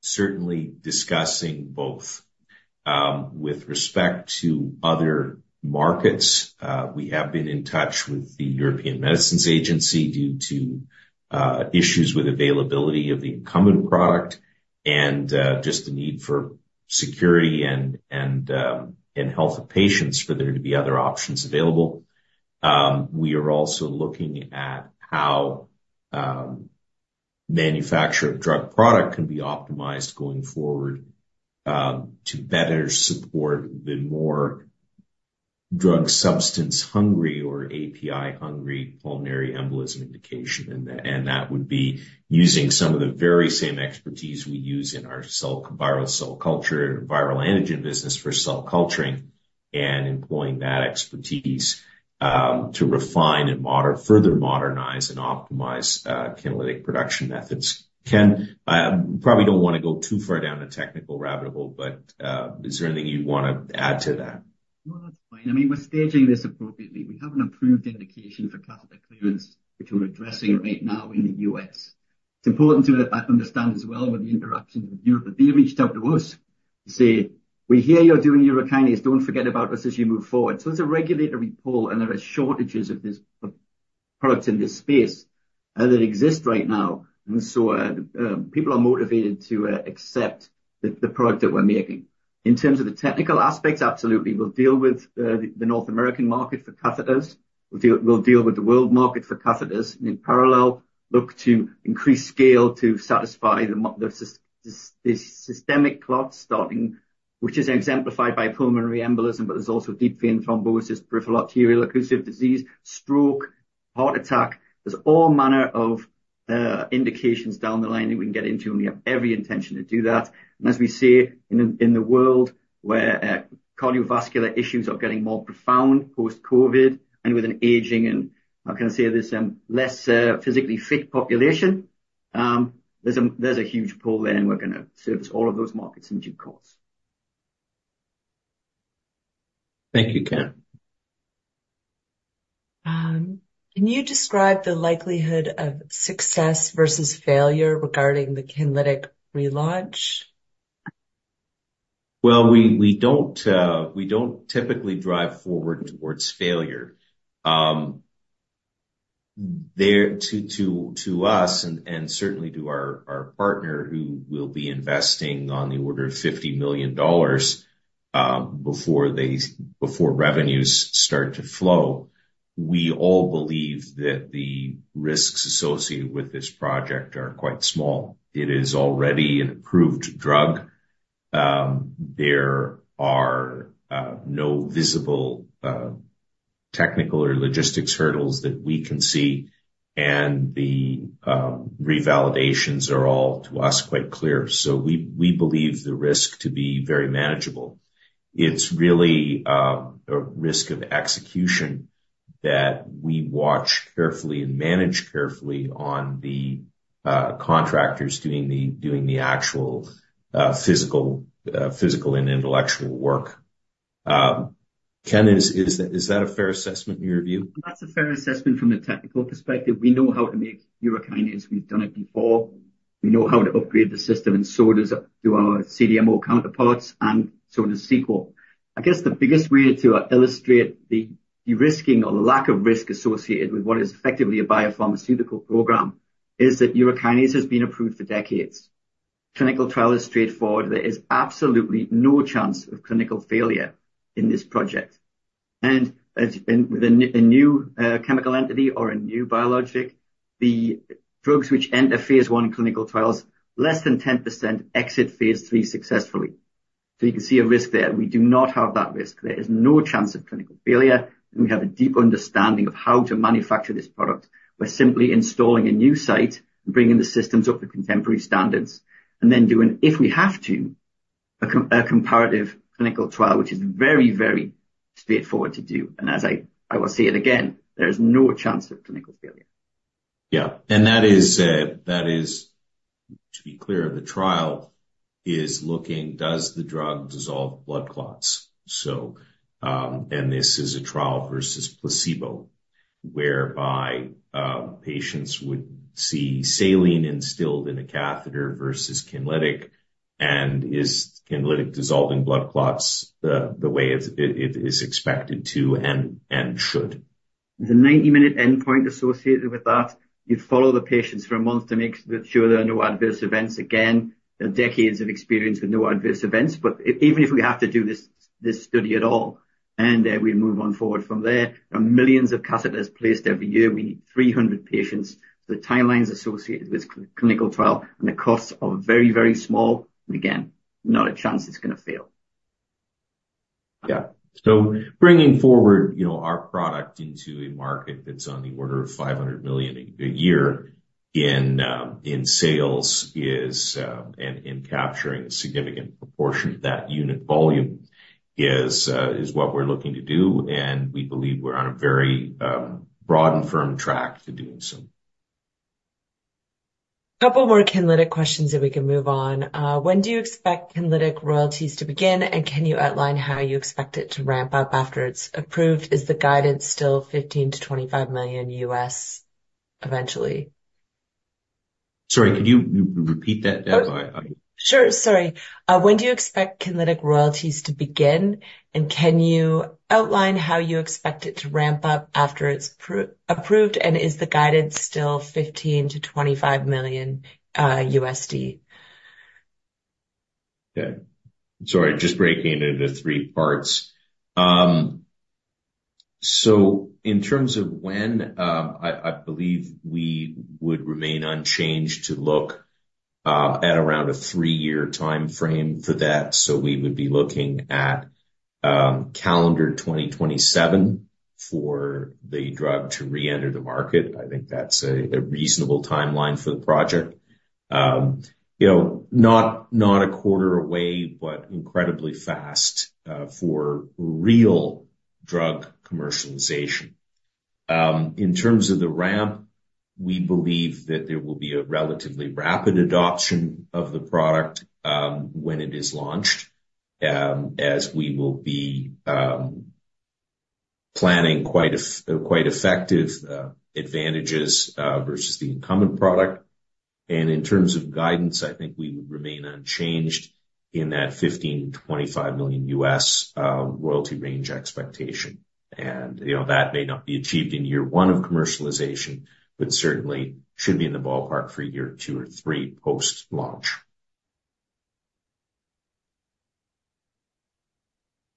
certainly discussing both. With respect to other markets, we have been in touch with the European Medicines Agency due to issues with availability of the incumbent product and just the need for security and health of patients, for there to be other options available. We are also looking at how manufacture of drug product can be optimized going forward to better support the more drug substance-hungry or API-hungry pulmonary embolism indication. And that would be using some of the very same expertise we use in our viral cell culture, viral antigen business for cell culturing, and employing that expertise to refine and further modernize and optimize, Kinlytic production methods. Ken, I probably don't want to go too far down the technical rabbit hole, but, is there anything you'd want to add to that? No, that's fine. I mean, we're staging this appropriately. We have an approved indication for catheter clearance, which we're addressing right now in the U.S. It's important to understand as well with the interactions with Europe, that they reached out to us to say: We hear you're doing urokinase, don't forget about us as you move forward. So there's a regulatory pull, and there are shortages of this, of products in this space that exist right now. And so, people are motivated to accept the product that we're making. In terms of the technical aspects, absolutely. We'll deal with the North American market for catheters. We'll deal with the world market for catheters, and in parallel, look to increase scale to satisfy the systemic clot starting, which is exemplified by pulmonary embolism, but there's also deep vein thrombosis, peripheral arterial occlusive disease, stroke, heart attack. There's all manner of indications down the line that we can get into, and we have every intention to do that. As we say, in the world where cardiovascular issues are getting more profound post-COVID, and with an aging and less physically fit population, there's a huge pull there, and we're gonna service all of those markets in due course. Thank you, Ken. Can you describe the likelihood of success versus failure regarding the Kinlytic relaunch? Well, we don't typically drive forward towards failure. To us, and certainly to our partner, who will be investing on the order of $50 million before revenues start to flow, we all believe that the risks associated with this project are quite small. It is already an approved drug. There are no visible technical or logistics hurdles that we can see, and the revalidations are all, to us, quite clear. So we believe the risk to be very manageable. It's really a risk of execution that we watch carefully and manage carefully on the contractors doing the actual physical and intellectual work. Ken, is that a fair assessment in your view? That's a fair assessment from a technical perspective. We know how to make urokinase. We've done it before. We know how to upgrade the system, and so do our CDMO counterparts, and so does Sequel. I guess the biggest way to illustrate the de-risking or the lack of risk associated with what is effectively a biopharmaceutical program is that urokinase has been approved for decades. Clinical trial is straightforward. There is absolutely no chance of clinical failure in this project. And as with a new chemical entity or a new biologic, the drugs which end at phase I clinical trials, less than 10% exit phase III successfully. So you can see a risk there. We do not have that risk. There is no chance of clinical failure, and we have a deep understanding of how to manufacture this product. We're simply installing a new site and bringing the systems up to contemporary standards, and then doing, if we have to, a comparative clinical trial, which is very, very straightforward to do. And as I will say it again, there is no chance of clinical failure. Yeah. And that is, to be clear, the trial is looking, does the drug dissolve blood clots? So, and this is a trial versus placebo, whereby, patients would see saline instilled in a catheter versus Kinlytic, and is Kinlytic dissolving blood clots the way it's expected to and should. There's a 90-minute endpoint associated with that. You follow the patients for a month to make sure there are no adverse events. Again, there are decades of experience with no adverse events, but even if we have to do this study at all, and we move on forward from there, there are millions of catheters placed every year. We need 300 patients. The timelines associated with clinical trial and the costs are very, very small. Again, not a chance it's gonna fail.... Yeah. So bringing forward, you know, our product into a market that's on the order of $500 million a year in, in sales is, is what we're looking to do, and we believe we're on a very, broad and firm track to doing so. Couple more Kinlytic questions, if we can move on. When do you expect Kinlytic royalties to begin, and can you outline how you expect it to ramp up after it's approved? Is the guidance still $15 million-$25 million eventually? Sorry, could you re-repeat that, Deb? Sure. Sorry. When do you expect Kinlytic royalties to begin, and can you outline how you expect it to ramp up after it's approved, and is the guidance still $15 million-$25 million? Yeah. Sorry, just breaking it into three parts. So in terms of when, I believe we would remain unchanged to look at around a three-year timeframe for that. So we would be looking at calendar 2027 for the drug to re-enter the market. I think that's a reasonable timeline for the project. You know, not a quarter away, but incredibly fast for real drug commercialization. In terms of the ramp, we believe that there will be a relatively rapid adoption of the product when it is launched, as we will be planning quite effective advantages versus the incumbent product. And in terms of guidance, I think we would remain unchanged in that $15-25 million royalty range expectation. You know, that may not be achieved in year one of commercialization, but certainly should be in the ballpark for year two or three post-launch.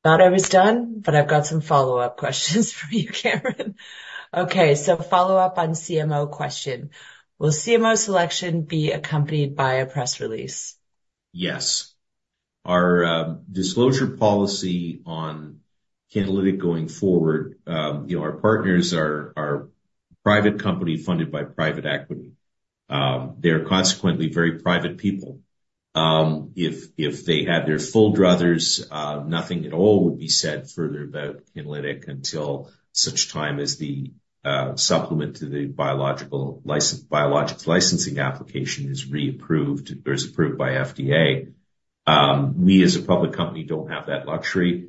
Thought I was done, but I've got some follow-up questions for you, Cameron. Okay, so follow up on CMO question: Will CMO selection be accompanied by a press release? Yes. Our disclosure policy on Kinlytic going forward, you know, our partners are a private company funded by private equity. They're consequently very private people. If they had their full druthers, nothing at all would be said further about Kinlytic until such time as the supplement to the biologics licensing application is reapproved or is approved by FDA. We, as a public company, don't have that luxury,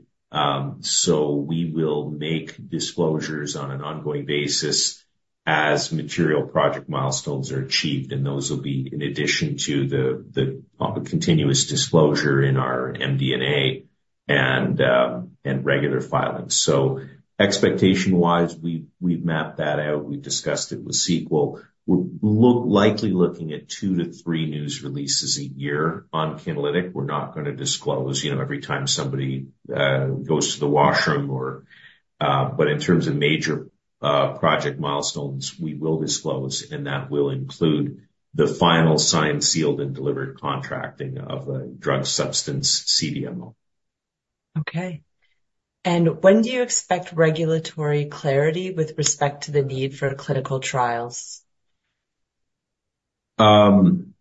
so we will make disclosures on an ongoing basis as material project milestones are achieved, and those will be in addition to the continuous disclosure in our MD&A and regular filings. So expectation-wise, we've mapped that out. We've discussed it with Sequel. We're likely looking at two to three news releases a year on Kinlytic. We're not gonna disclose, you know, every time somebody goes to the washroom or, uh, but in terms of major project milestones, we will disclose, and that will include the final signed, sealed, and delivered contracting of a drug substance CDMO. Okay. When do you expect regulatory clarity with respect to the need for clinical trials? Um.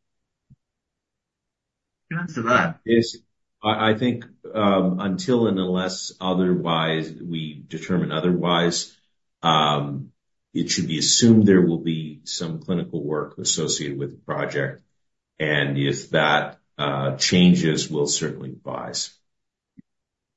Answer that. Yes. I think, until and unless otherwise, we determine otherwise, it should be assumed there will be some clinical work associated with the project, and if that changes, we'll certainly advise.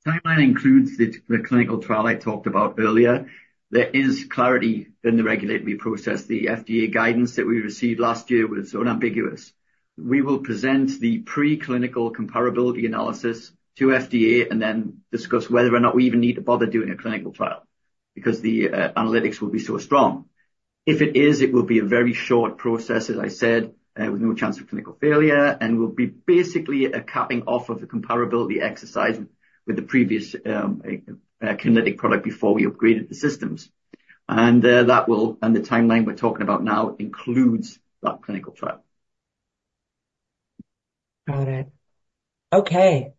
Timeline includes the clinical trial I talked about earlier. There is clarity in the regulatory process. The FDA guidance that we received last year was unambiguous. We will present the preclinical comparability analysis to FDA and then discuss whether or not we even need to bother doing a clinical trial because the analytics will be so strong. If it is, it will be a very short process, as I said, with no chance of clinical failure, and will be basically a capping off of the comparability exercise with the previous Kinlytic product before we upgraded the systems. And that will and the timeline we're talking about now includes that clinical trial. Got it. Okay.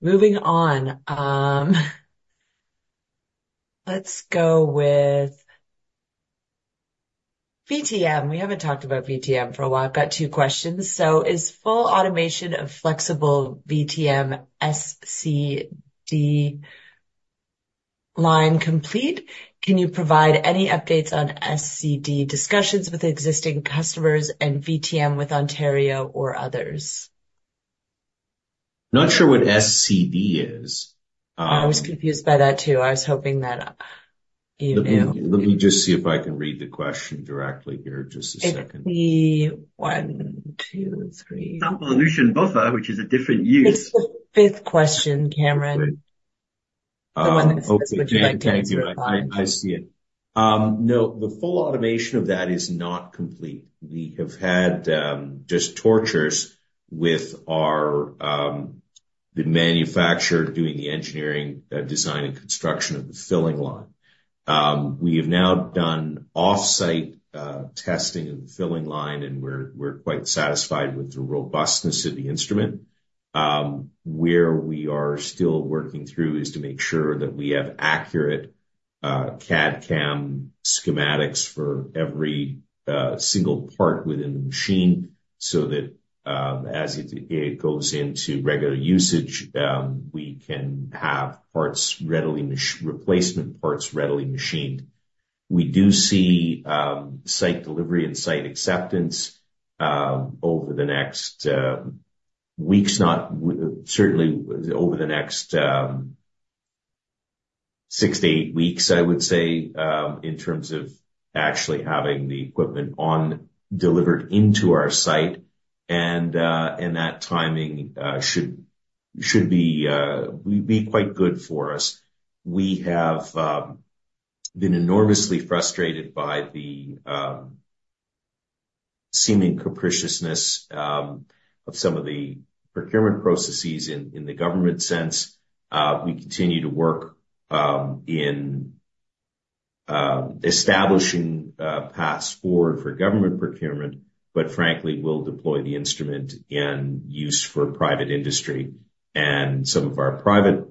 Moving on, let's go with VTM. We haven't talked about VTM for a while. I've got two questions. So is full automation of flexible VTM SCD line complete? Can you provide any updates on SCD discussions with existing customers and VTM with Ontario or others? Not sure what SCD is. I was confused by that, too. I was hoping that you knew. Let me just see if I can read the question directly here. Just a second. It's the one, two, three. Sample dilution buffer, which is a different use. It's the fifth question, Cameron. Great. Okay. Thank you. I see it. No, the full automation of that is not complete. We have had just tortures with our, the manufacturer doing the engineering, design, and construction of the filling line. We have now done off-site testing of the filling line, and we're quite satisfied with the robustness of the instrument. Where we are still working through is to make sure that we have accurate- CAD/CAM schematics for every single part within the machine, so that as it goes into regular usage, we can have parts readily, replacement parts readily machined. We do see site delivery and site acceptance over the next weeks, certainly over the next six to eight weeks, I would say, in terms of actually having the equipment on delivered into our site. And that timing should be quite good for us. We have been enormously frustrated by the seeming capriciousness of some of the procurement processes in the government sense. We continue to work in establishing paths forward for government procurement, but frankly, we'll deploy the instrument in use for private industry. And some of our private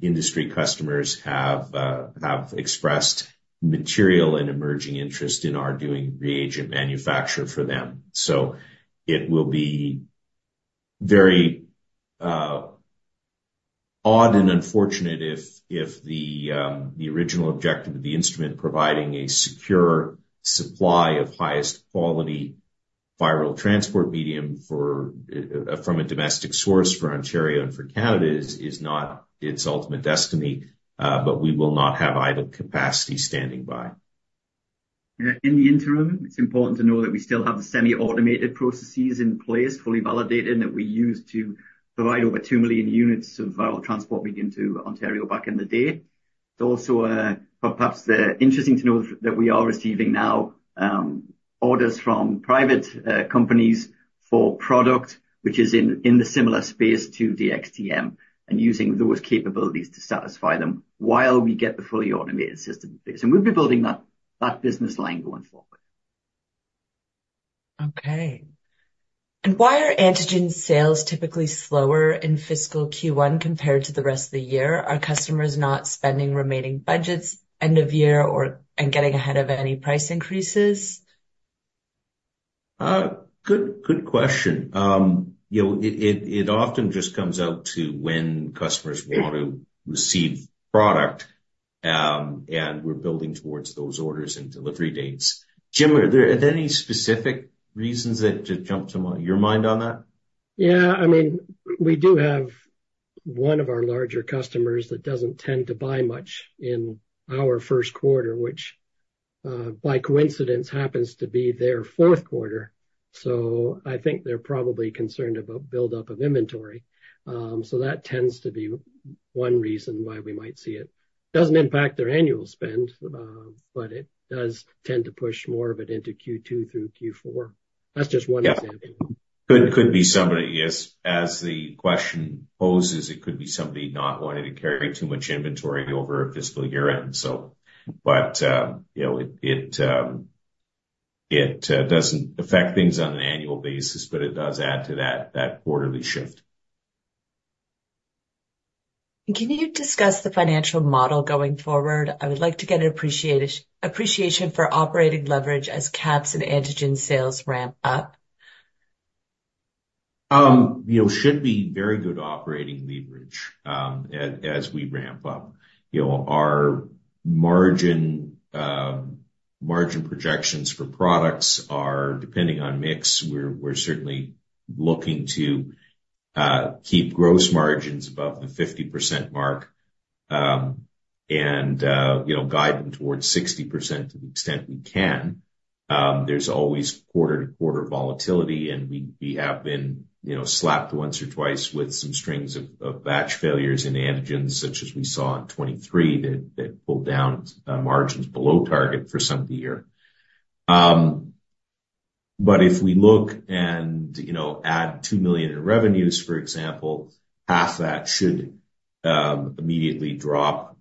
industry customers have expressed material and emerging interest in our doing reagent manufacture for them. So it will be very odd and unfortunate if the original objective of the instrument, providing a secure supply of highest quality viral transport medium from a domestic source for Ontario and for Canada, is not its ultimate destiny, but we will not have idle capacity standing by. Yeah. In the interim, it's important to know that we still have the semi-automated processes in place, fully validated, and that we use to provide over 2 million units of viral transport medium to Ontario back in the day. It's also, perhaps, interesting to know that we are receiving now orders from private companies for product, which is in the similar space to the DxTM, and using those capabilities to satisfy them while we get the fully automated system in place. We'll be building that business line going forward. Okay. And why are antigen sales typically slower in fiscal Q1 compared to the rest of the year? Are customers not spending remaining budgets end of year or, and getting ahead of any price increases? Good, good question. You know, it often just comes out to when customers want to receive product, and we're building towards those orders and delivery dates. Jim, are there any specific reasons that just jump to your mind on that? Yeah. I mean, we do have one of our larger customers that doesn't tend to buy much in our first quarter, which, by coincidence, happens to be their fourth quarter. So I think they're probably concerned about buildup of inventory. So that tends to be one reason why we might see it. Doesn't impact their annual spend, but it does tend to push more of it into Q2 through Q4. That's just one example. Yeah. Could be somebody, yes. As the question poses, it could be somebody not wanting to carry too much inventory over a fiscal year-end, so. But, you know, it doesn't affect things on an annual basis, but it does add to that quarterly shift. Can you discuss the financial model going forward? I would like to get an appreciation for operating leverage as caps and antigen sales ramp up. You know, should be very good operating leverage, as we ramp up. You know, our margin projections for products are depending on mix. We're certainly looking to keep gross margins above the 50% mark, and you know, guide them towards 60% to the extent we can. There's always quarter-to-quarter volatility, and we have been you know, slapped once or twice with some strings of batch failures in antigens, such as we saw in 2023, that pulled down margins below target for some of the year. But if we look and you know, add 2 million in revenues, for example, CAD 1 million should immediately drop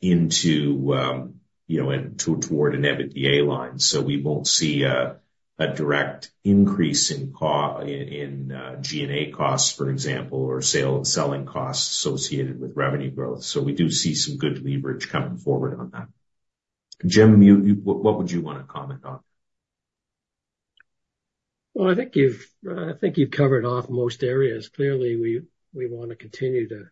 into you know, into toward an EBITDA line. So we won't see a direct increase in G&A costs, for example, or selling costs associated with revenue growth. So we do see some good leverage coming forward on that. Jim, what would you want to comment on? Well, I think you've covered off most areas. Clearly, we want to continue to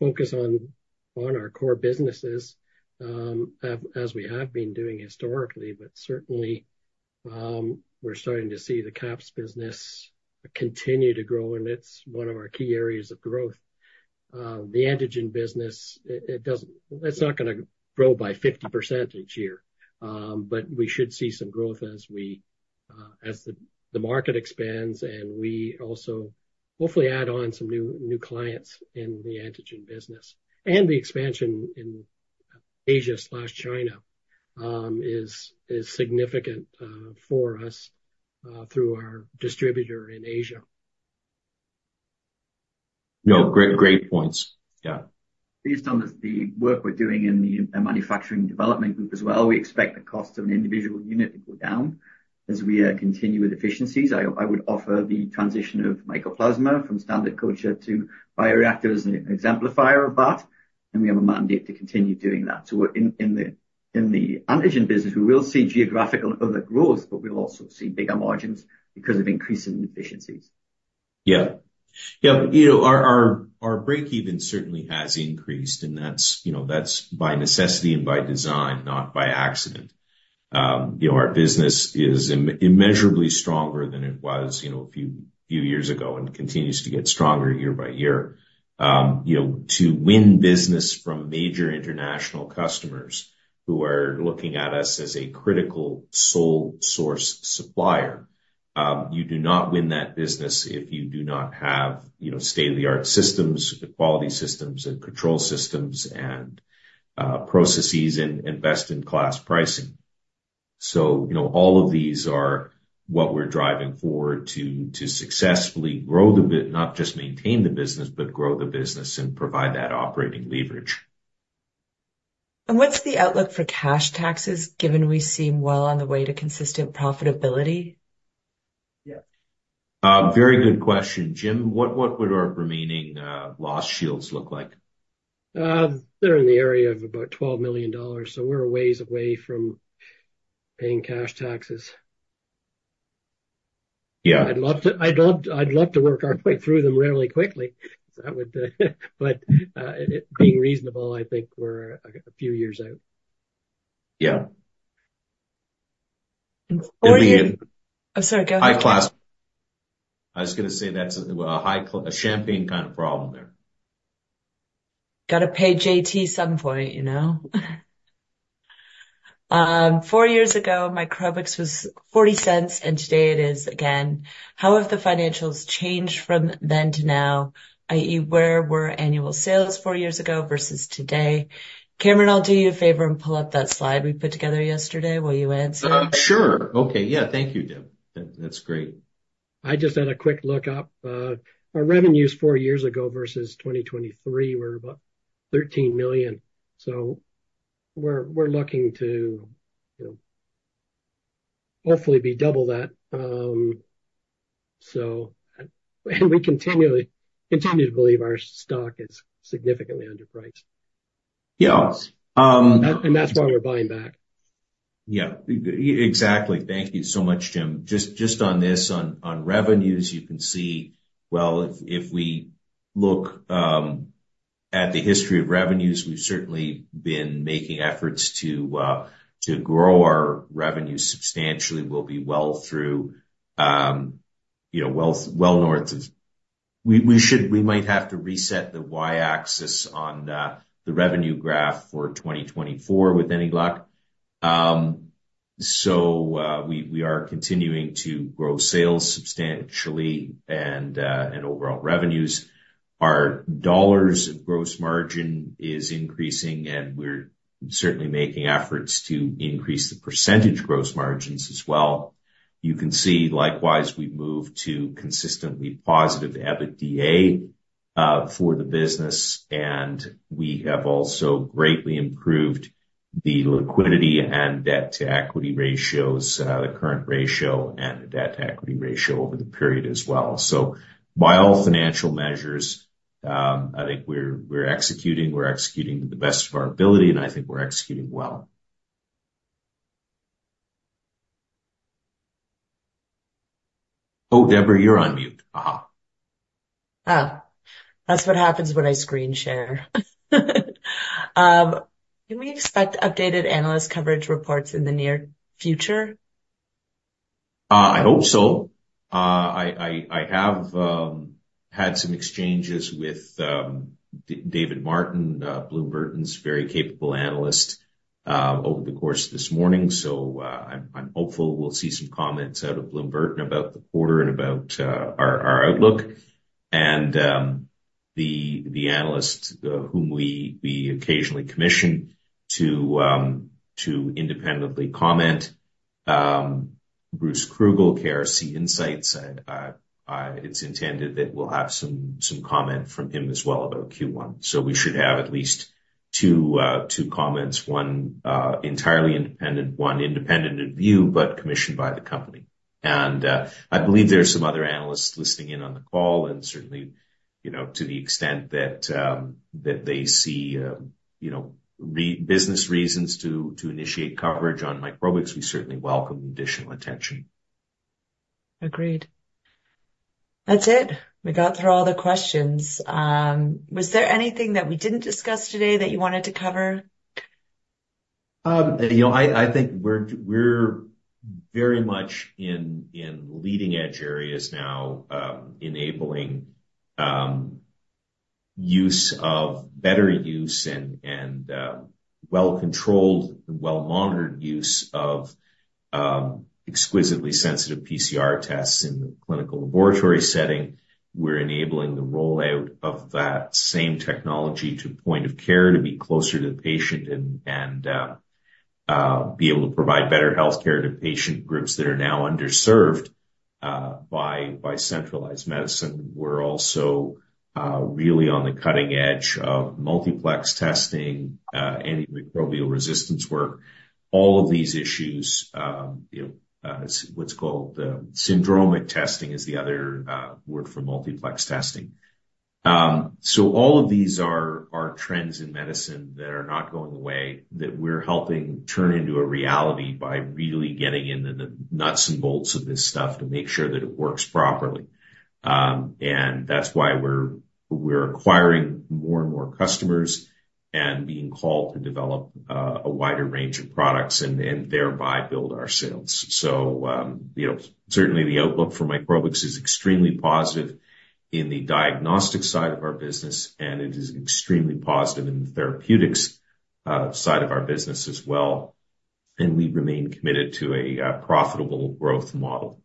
focus on our core businesses as we have been doing historically. But certainly, we're starting to see the caps business continue to grow, and it's one of our key areas of growth. The antigen business, it doesn't, it's not gonna grow by 50% each year, but we should see some growth as we as the market expands, and we also hopefully add on some new clients in the antigen business. And the expansion in Asia/China is significant for us through our distributor in Asia.... No, great, great points. Yeah. Based on the work we're doing in the manufacturing development group as well, we expect the cost of an individual unit to go down as we continue with efficiencies. I would offer the transition of Mycoplasma from standard culture to bioreactor as an exemplifier of that, and we have a mandate to continue doing that. So we're in the antigen business, we will see geographical organic growth, but we'll also see bigger margins because of increasing efficiencies. Yeah. Yeah. You know, our breakeven certainly has increased, and that's, you know, that's by necessity and by design, not by accident. You know, our business is immeasurably stronger than it was, you know, a few years ago and continues to get stronger year by year. You know, to win business from major international customers who are looking at us as a critical sole source supplier, you do not win that business if you do not have, you know, state-of-the-art systems, quality systems and control systems and processes and best-in-class pricing. So, you know, all of these are what we're driving forward to successfully grow the business, not just maintain the business, but grow the business and provide that operating leverage. What's the outlook for cash taxes, given we seem well on the way to consistent profitability? Yeah. Very good question. Jim, what, what would our remaining loss shields look like? They're in the area of about 12 million dollars, so we're a ways away from paying cash taxes. Yeah. I'd love to, I'd love to, I'd love to work our way through them really quickly. Being reasonable, I think we're a few years out. Yeah. And fourth It'd be Oh, sorry, go ahead. High class. I was gonna say, that's a high class, a champagne kind of problem there. Gotta pay JT some point, you know? Four years ago, Microbix was 0.40, and today it is CAD 0.40 again. How have the financials changed from then to now, where were annual sales four years ago versus today? Cameron, I'll do you a favor and pull up that slide we put together yesterday, while you answer. Sure. Okay. Yeah, thank you, Deb. That, that's great. I just had a quick look up. Our revenues four years ago versus 2023 were about 13 million. So we're, we're looking to, you know, hopefully be double that. And we continue to believe our stock is significantly underpriced. Yeah. Um. That's why we're buying back. Yeah, exactly. Thank you so much, Jim. Just on this, on revenues, you can see, well, if we look at the history of revenues, we've certainly been making efforts to grow our revenues substantially. We'll be well through, you know, well north of, we should, we might have to reset the y-axis on the revenue graph for 2024, with any luck. So, we are continuing to grow sales substantially and overall revenues. Our dollars of gross margin is increasing, and we're certainly making efforts to increase the percentage gross margins as well. You can see, likewise, we've moved to consistently positive EBITDA for the business, and we have also greatly improved the liquidity and debt-to-equity ratios, the current ratio and the debt-to-equity ratio over the period as well. By all financial measures, I think we're executing to the best of our ability, and I think we're executing well. Oh, Deborah, you're on mute. Aha! Oh, that's what happens when I screen share. Can we expect updated analyst coverage reports in the near future? I hope so. I have had some exchanges with David Martin, Bloom Burton's very capable analyst, over the course of this morning. So, I'm hopeful we'll see some comments out of Bloom Burton about the quarter and about our outlook. And, the analyst whom we occasionally commission to independently comment, Bruce Krugel, KRC Insights, and it's intended that we'll have some comment from him as well about Q1. So we should have at least two comments, one entirely independent, one independent in view, but commissioned by the company. I believe there are some other analysts listening in on the call, and certainly, you know, to the extent that they see, you know, business reasons to initiate coverage on Microbix, we certainly welcome the additional attention. Agreed. That's it. We got through all the questions. Was there anything that we didn't discuss today that you wanted to cover? You know, I think we're very much in leading-edge areas now, enabling use of better use and well-controlled and well-monitored use of exquisitely sensitive PCR tests in the clinical laboratory setting. We're enabling the rollout of that same technology to point-of-care to be closer to the patient and be able to provide better healthcare to patient groups that are now underserved by centralized medicine. We're also really on the cutting edge of multiplex testing, antimicrobial resistance work. All of these issues, you know, is what's called, syndromic testing is the other word for multiplex testing. So all of these are trends in medicine that are not going away, that we're helping turn into a reality by really getting into the nuts and bolts of this stuff to make sure that it works properly. That's why we're acquiring more and more customers and being called to develop a wider range of products and thereby build our sales. So, you know, certainly the outlook for Microbix is extremely positive in the diagnostic side of our business, and it is extremely positive in the therapeutics side of our business as well, and we remain committed to a profitable growth model.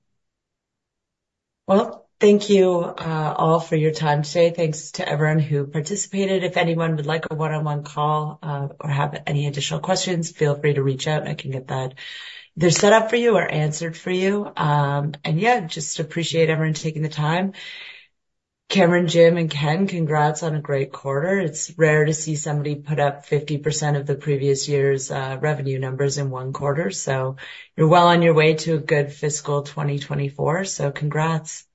Well, thank you all for your time today. Thanks to everyone who participated. If anyone would like a one-on-one call or have any additional questions, feel free to reach out, and I can get that either set up for you or answered for you. Yeah, just appreciate everyone taking the time. Cameron, Jim, and Ken, congrats on a great quarter. It's rare to see somebody put up 50% of the previous year's revenue numbers in one quarter, so you're well on your way to a good fiscal 2024. Congrats.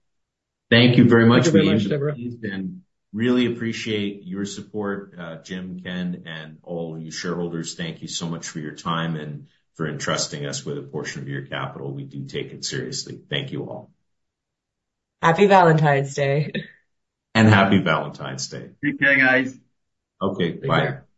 Thank you very much for the intro, Deborah. Really appreciate your support. Jim, Ken, and all you shareholders, thank you so much for your time and for entrusting us with a portion of your capital. We do take it seriously. Thank you all. Happy Valentine's Day. Happy Valentine's Day. Keep going, guys. Okay. Bye. Thanks.